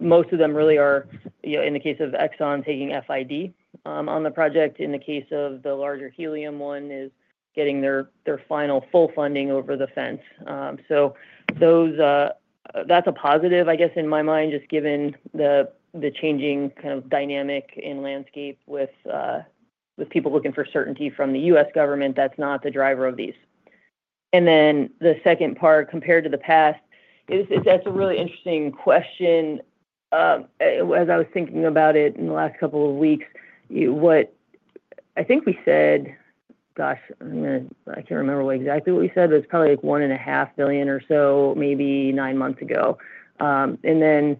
Most of them really are, in the case of Exxon, taking FID on the project. In the case of the larger helium one, is getting their final full funding over the fence. So that's a positive, I guess, in my mind, just given the changing kind of dynamic in landscape with people looking for certainty from the U.S. government. That's not the driver of these. And then the second part, compared to the past, that's a really interesting question. As I was thinking about it in the last couple of weeks, I think we said gosh, I can't remember exactly what we said, but it's probably like $1.5 billion or so, maybe nine months ago. And then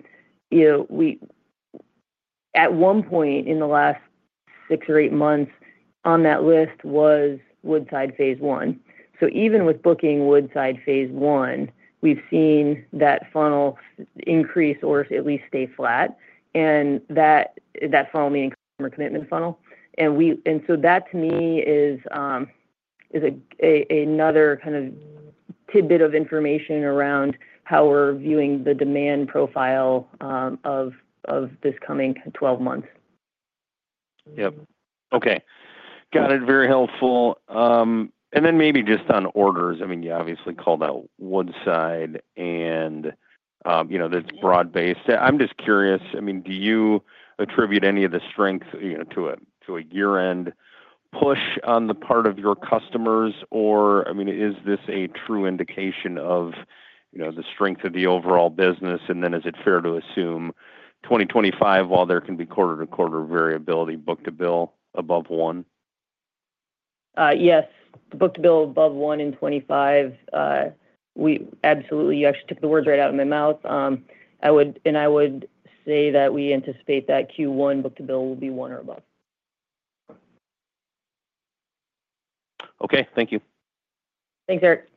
at one point in the last six or eight months, on that list was Woodside Phase I. So even with booking Woodside Phase One, we've seen that funnel increase or at least stay flat. And that funnel meaning customer commitment funnel. And so that, to me, is another kind of tidbit of information around how we're viewing the demand profile of this coming 12 months. Yep. Okay. Got it. Very helpful. And then maybe just on orders. I mean, you obviously called out Woodside, and that's broad-based. I'm just curious. I mean, do you attribute any of the strength to a year-end push on the part of your customers? Or I mean, is this a true indication of the strength of the overall business? And then is it fair to assume 2025, while there can be quarter-to-quarter variability, book-to-bill above one? Yes. Book-to-bill above one in 2025. Absolutely. You actually took the words right out of my mouth. And I would say that we anticipate that Q1 book-to-bill will be one or above. Okay. Thank you. Thanks, Eric.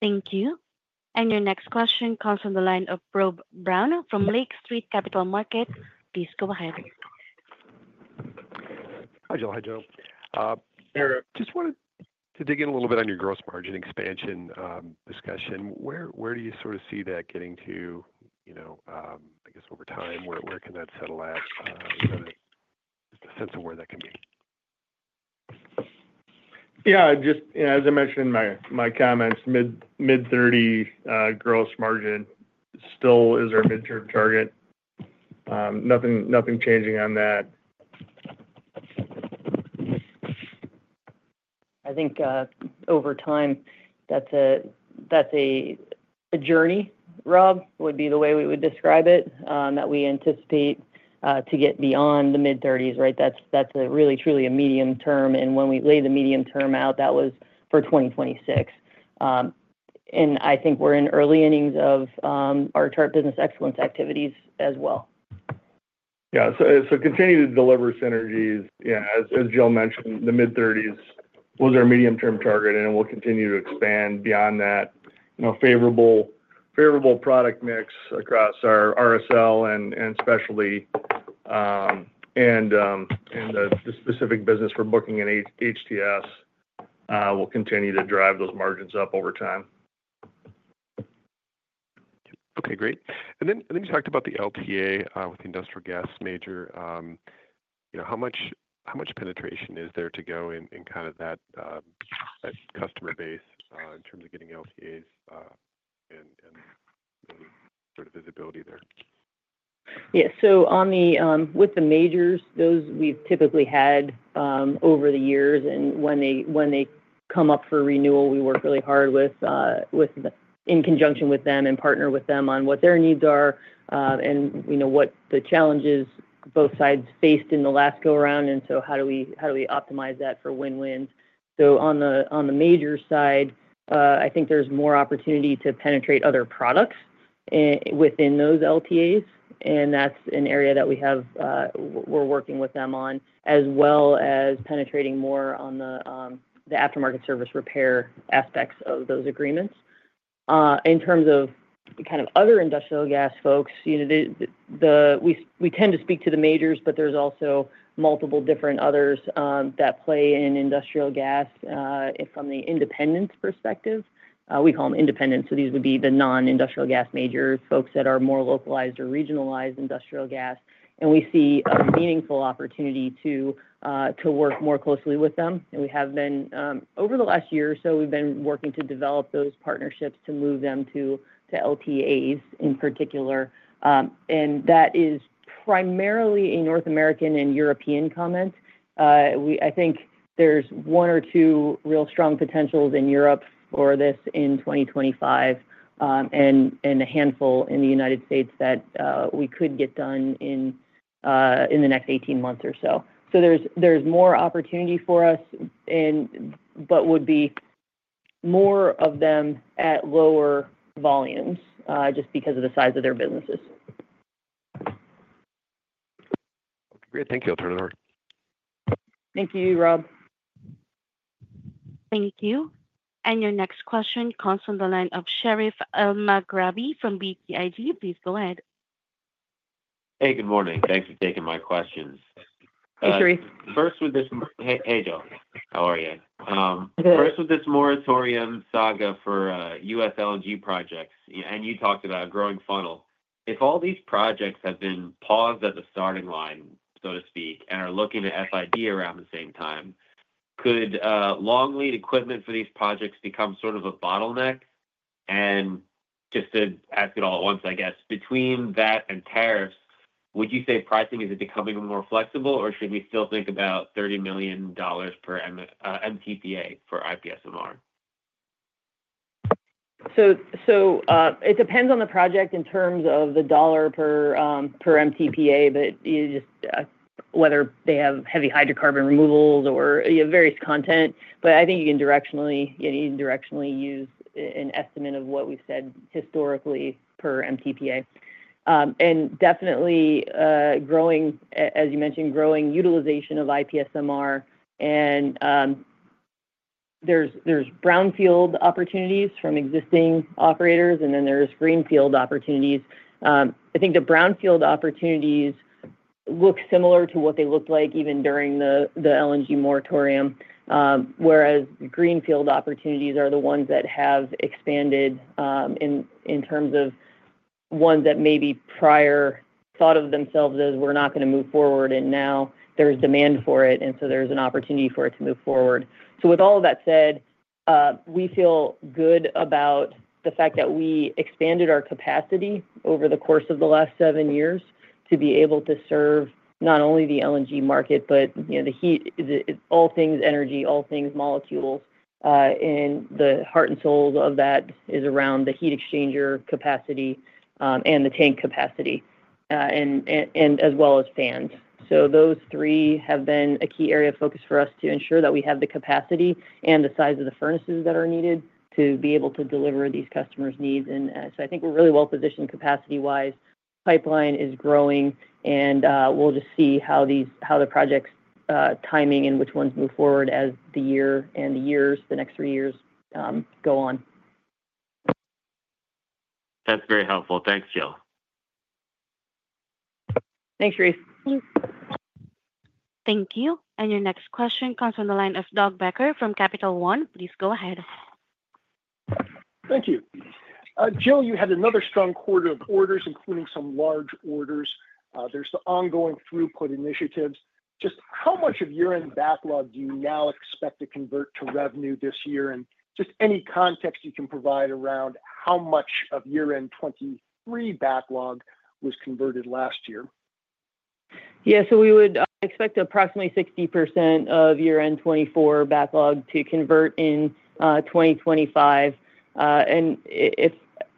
Thank you. And your next question comes from the line of Rob Brown from Lake Street Capital Markets. Please go ahead. Hi, Jill. Hi, Joe. Just wanted to dig in a little bit on your gross margin expansion discussion. Where do you sort of see that getting to, I guess, over time? Where can that settle at? Just a sense of where that can be. Yeah. Just as I mentioned in my comments, mid-30s gross margin still is our mid-term target. Nothing changing on that. I think over time, that's a journey, Rob, would be the way we would describe it, that we anticipate to get beyond the mid-30s, right? That's really, truly a medium term. And when we laid the medium term out, that was for 2026. And I think we're in early innings of our Chart Business Excellence activities as well. Yeah. Continue to deliver synergies. As Jill mentioned, the mid-30s was our medium-term target, and we'll continue to expand beyond that favorable product mix across our RSL and Specialty, and the specific business for booking and HTS will continue to drive those margins up over time. Okay. Great. And then you talked about the LTA with the industrial gas major. How much penetration is there to go in kind of that customer base in terms of getting LTAs and sort of visibility there? Yeah. So with the majors, those we've typically had over the years. And when they come up for renewal, we work really hard in conjunction with them and partner with them on what their needs are and what the challenges both sides faced in the last go-around. And so how do we optimize that for win-wins? So on the major side, I think there's more opportunity to penetrate other products within those LTAs. And that's an area that we're working with them on, as well as penetrating more on the aftermarket service repair aspects of those agreements. In terms of kind of other industrial gas folks, we tend to speak to the majors, but there's also multiple different others that play in industrial gas from the independents perspective. We call them independents. So these would be the non-industrial gas major folks that are more localized or regionalized industrial gas. And we see a meaningful opportunity to work more closely with them. And we have been, over the last year or so, we've been working to develop those partnerships to move them to LTAs in particular. And that is primarily a North American and European comment. I think there's one or two real strong potentials in Europe for this in 2025 and a handful in the United States that we could get done in the next 18 months or so. So there's more opportunity for us, but would be more of them at lower volumes just because of the size of their businesses. Great. Thank you. I'll turn it over. Thank you, Rob. Thank you. And your next question comes from the line of Sherif Elmaghrabi from BTIG. Please go ahead. Hey, good morning. Thanks for taking my questions. Hey, Sherif. First with this, hey, Joe. How are you? I'm good. First, with this moratorium saga for U.S. LNG projects. And you talked about a growing funnel. If all these projects have been paused at the starting line, so to speak, and are looking at FID around the same time, could long-lead equipment for these projects become sort of a bottleneck? And just to ask it all at once, I guess, between that and tariffs, would you say pricing is becoming more flexible, or should we still think about $30 million per MTPA for IPSMR? So it depends on the project in terms of the $ per MTPA, but just whether they have heavy hydrocarbon removals or various content. But I think you can directionally use an estimate of what we've said historically per MTPA. And definitely, as you mentioned, growing utilization of IPSMR. And there's brownfield opportunities from existing operators, and then there are greenfield opportunities. I think the brownfield opportunities look similar to what they looked like even during the LNG moratorium, whereas the greenfield opportunities are the ones that have expanded in terms of ones that maybe prior thought of themselves as, "We're not going to move forward," and now there's demand for it, and so there's an opportunity for it to move forward. So with all of that said, we feel good about the fact that we expanded our capacity over the course of the last seven years to be able to serve not only the LNG market, but all things energy, all things molecules. And the heart and soul of that is around the heat exchanger capacity and the tank capacity, as well as fans. So those three have been a key area of focus for us to ensure that we have the capacity and the size of the furnaces that are needed to be able to deliver these customers' needs. And so I think we're really well-positioned capacity-wise. Pipeline is growing, and we'll just see how the project's timing and which ones move forward as the year and the years, the next three years, go on. That's very helpful. Thanks, Joe. Thanks, Sherif. Thank you. And your next question comes from the line of Doug Becker from Capital One. Please go ahead. Thank you. Joe, you had another strong quarter of orders, including some large orders. There's the ongoing throughput initiatives. Just how much of year-end 2023 backlog do you now expect to convert to revenue this year? And just any context you can provide around how much of year-end 2023 backlog was converted last year? Yeah. So we would expect approximately 60% of year-end 2024 backlog to convert in 2025. And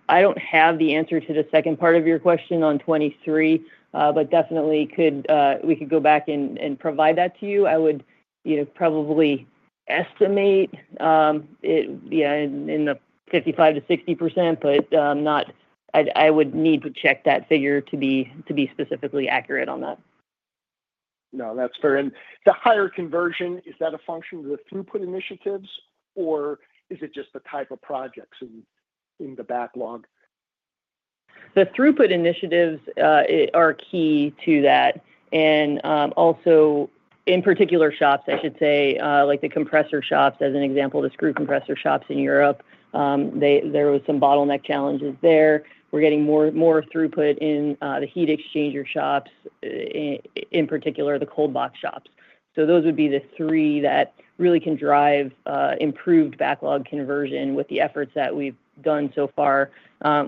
I don't have the answer to the second part of your question on 2023, but definitely we could go back and provide that to you. I would probably estimate in the 55%-60%, but I would need to check that figure to be specifically accurate on that. No, that's fair. And the higher conversion, is that a function of the throughput initiatives, or is it just the type of projects in the backlog? The throughput initiatives are key to that. And also, in particular shops, I should say, like the compressor shops, as an example, the screw compressor shops in Europe, there were some bottleneck challenges there. We're getting more throughput in the heat exchanger shops, in particular the cold box shops. So those would be the three that really can drive improved backlog conversion with the efforts that we've done so far.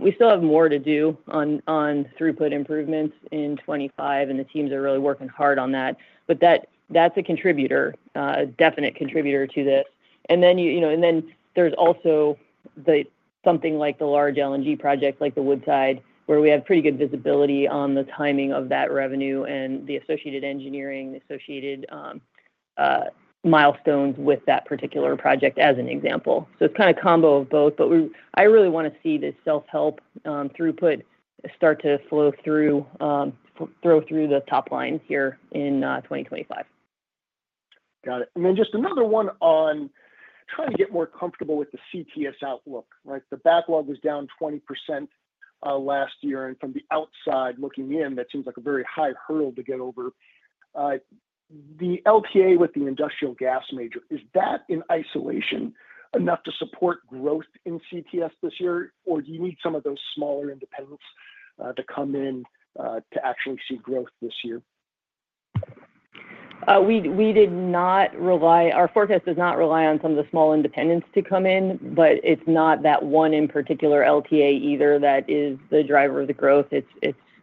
We still have more to do on throughput improvements in 2025, and the teams are really working hard on that. But that's a contributor, a definite contributor to this. And then there's also something like the large LNG project, like the Woodside, where we have pretty good visibility on the timing of that revenue and the associated engineering, the associated milestones with that particular project, as an example. So it's kind of a combo of both. But I really want to see this self-help throughput start to flow through the top line here in 2025. Got it. And then just another one on trying to get more comfortable with the CTS outlook, right? The backlog was down 20% last year. And from the outside looking in, that seems like a very high hurdle to get over. The LTA with the industrial gas major, is that in isolation enough to support growth in CTS this year? Or do you need some of those smaller independents to come in to actually see growth this year? Our forecast does not rely on some of the small independents to come in, but it's not that one in particular LTA either that is the driver of the growth. It's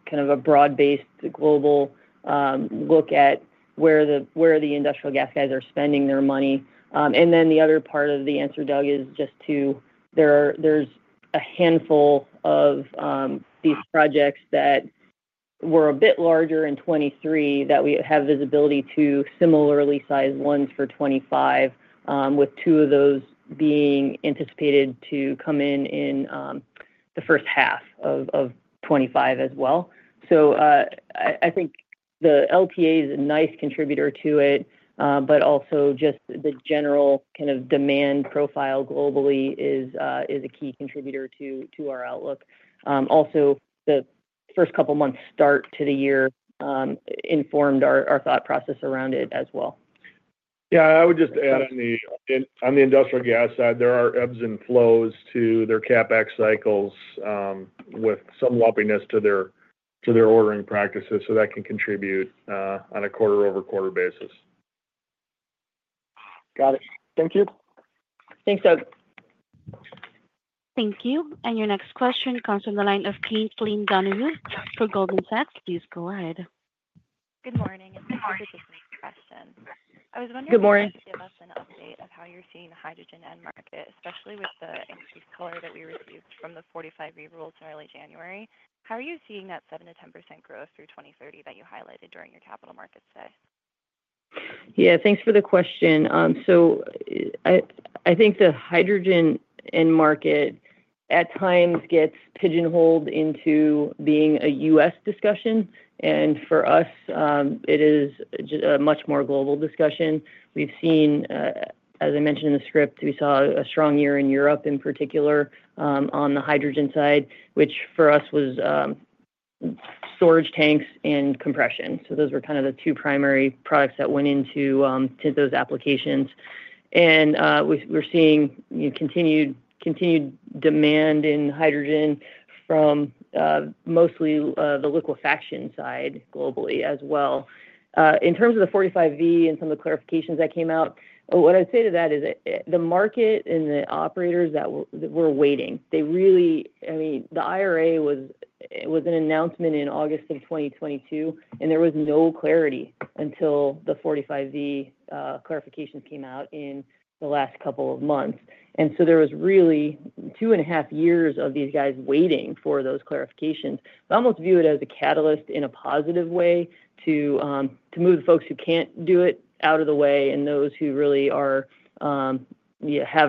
kind of a broad-based global look at where the industrial gas guys are spending their money. And then the other part of the answer, Doug, is just that there's a handful of these projects that were a bit larger in 2023 that we have visibility to similarly sized ones for 2025, with two of those being anticipated to come in in the first half of 2025 as well. So I think the LTA is a nice contributor to it, but also just the general kind of demand profile globally is a key contributor to our outlook. Also, the first couple of months start to the year informed our thought process around it as well. Yeah. I would just add on the industrial gas side, there are ebbs and flows to their CapEx cycles with some lumpiness to their ordering practices. So that can contribute on a quarter-over-quarter basis. Got it. Thank you. Thanks, Doug. Thank you. And your next question comes from the line of Caitlin Donovan for Goldman Sachs. Please go ahead. Good morning. This is my question. I was wondering if you could give us an update of how you're seeing the hydrogen end market, especially with the increased color that we received from the 45V rules in early January. How are you seeing that 7%-10% growth through 2030 that you highlighted during your capital markets today? Yeah. Thanks for the question. So I think the hydrogen end market at times gets pigeon-holed into being a U.S. discussion. And for us, it is a much more global discussion. We've seen, as I mentioned in the script, we saw a strong year in Europe in particular on the hydrogen side, which for us was storage tanks and compression. So those were kind of the two primary products that went into those applications. And we're seeing continued demand in hydrogen from mostly the liquefaction side globally as well. In terms of the 45V and some of the clarifications that came out, what I'd say to that is the market and the operators that were waiting, they really. I mean, the IRA was an announcement in August of 2022, and there was no clarity until the 45V clarifications came out in the last couple of months. There was really two and a half years of these guys waiting for those clarifications. I almost view it as a catalyst in a positive way to move the folks who can't do it out of the way and those who really have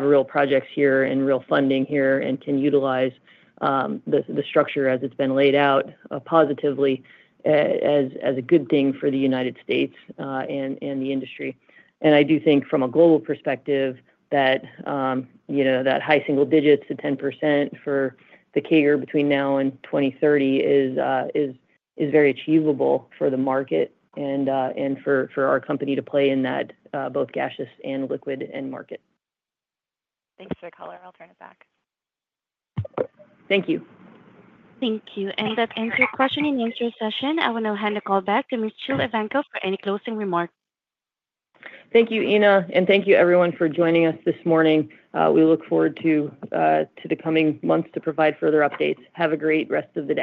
real projects here and real funding here and can utilize the structure as it's been laid out positively as a good thing for the United States and the industry. I do think from a global perspective that high single digits to 10% for the CAGR between now and 2030 is very achievable for the market and for our company to play in that both gaseous and liquid end market. Thanks for the color. I'll turn it back. Thank you. Thank you. That ends your question and answer session. I will now hand the call back to Ms. Jill Evanko for any closing remarks. Thank you, Ina. And thank you, everyone, for joining us this morning. We look forward to the coming months to provide further updates. Have a great rest of the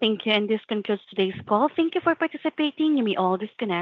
day. Thank you. And this concludes today's call. Thank you for participating. You may all disconnect.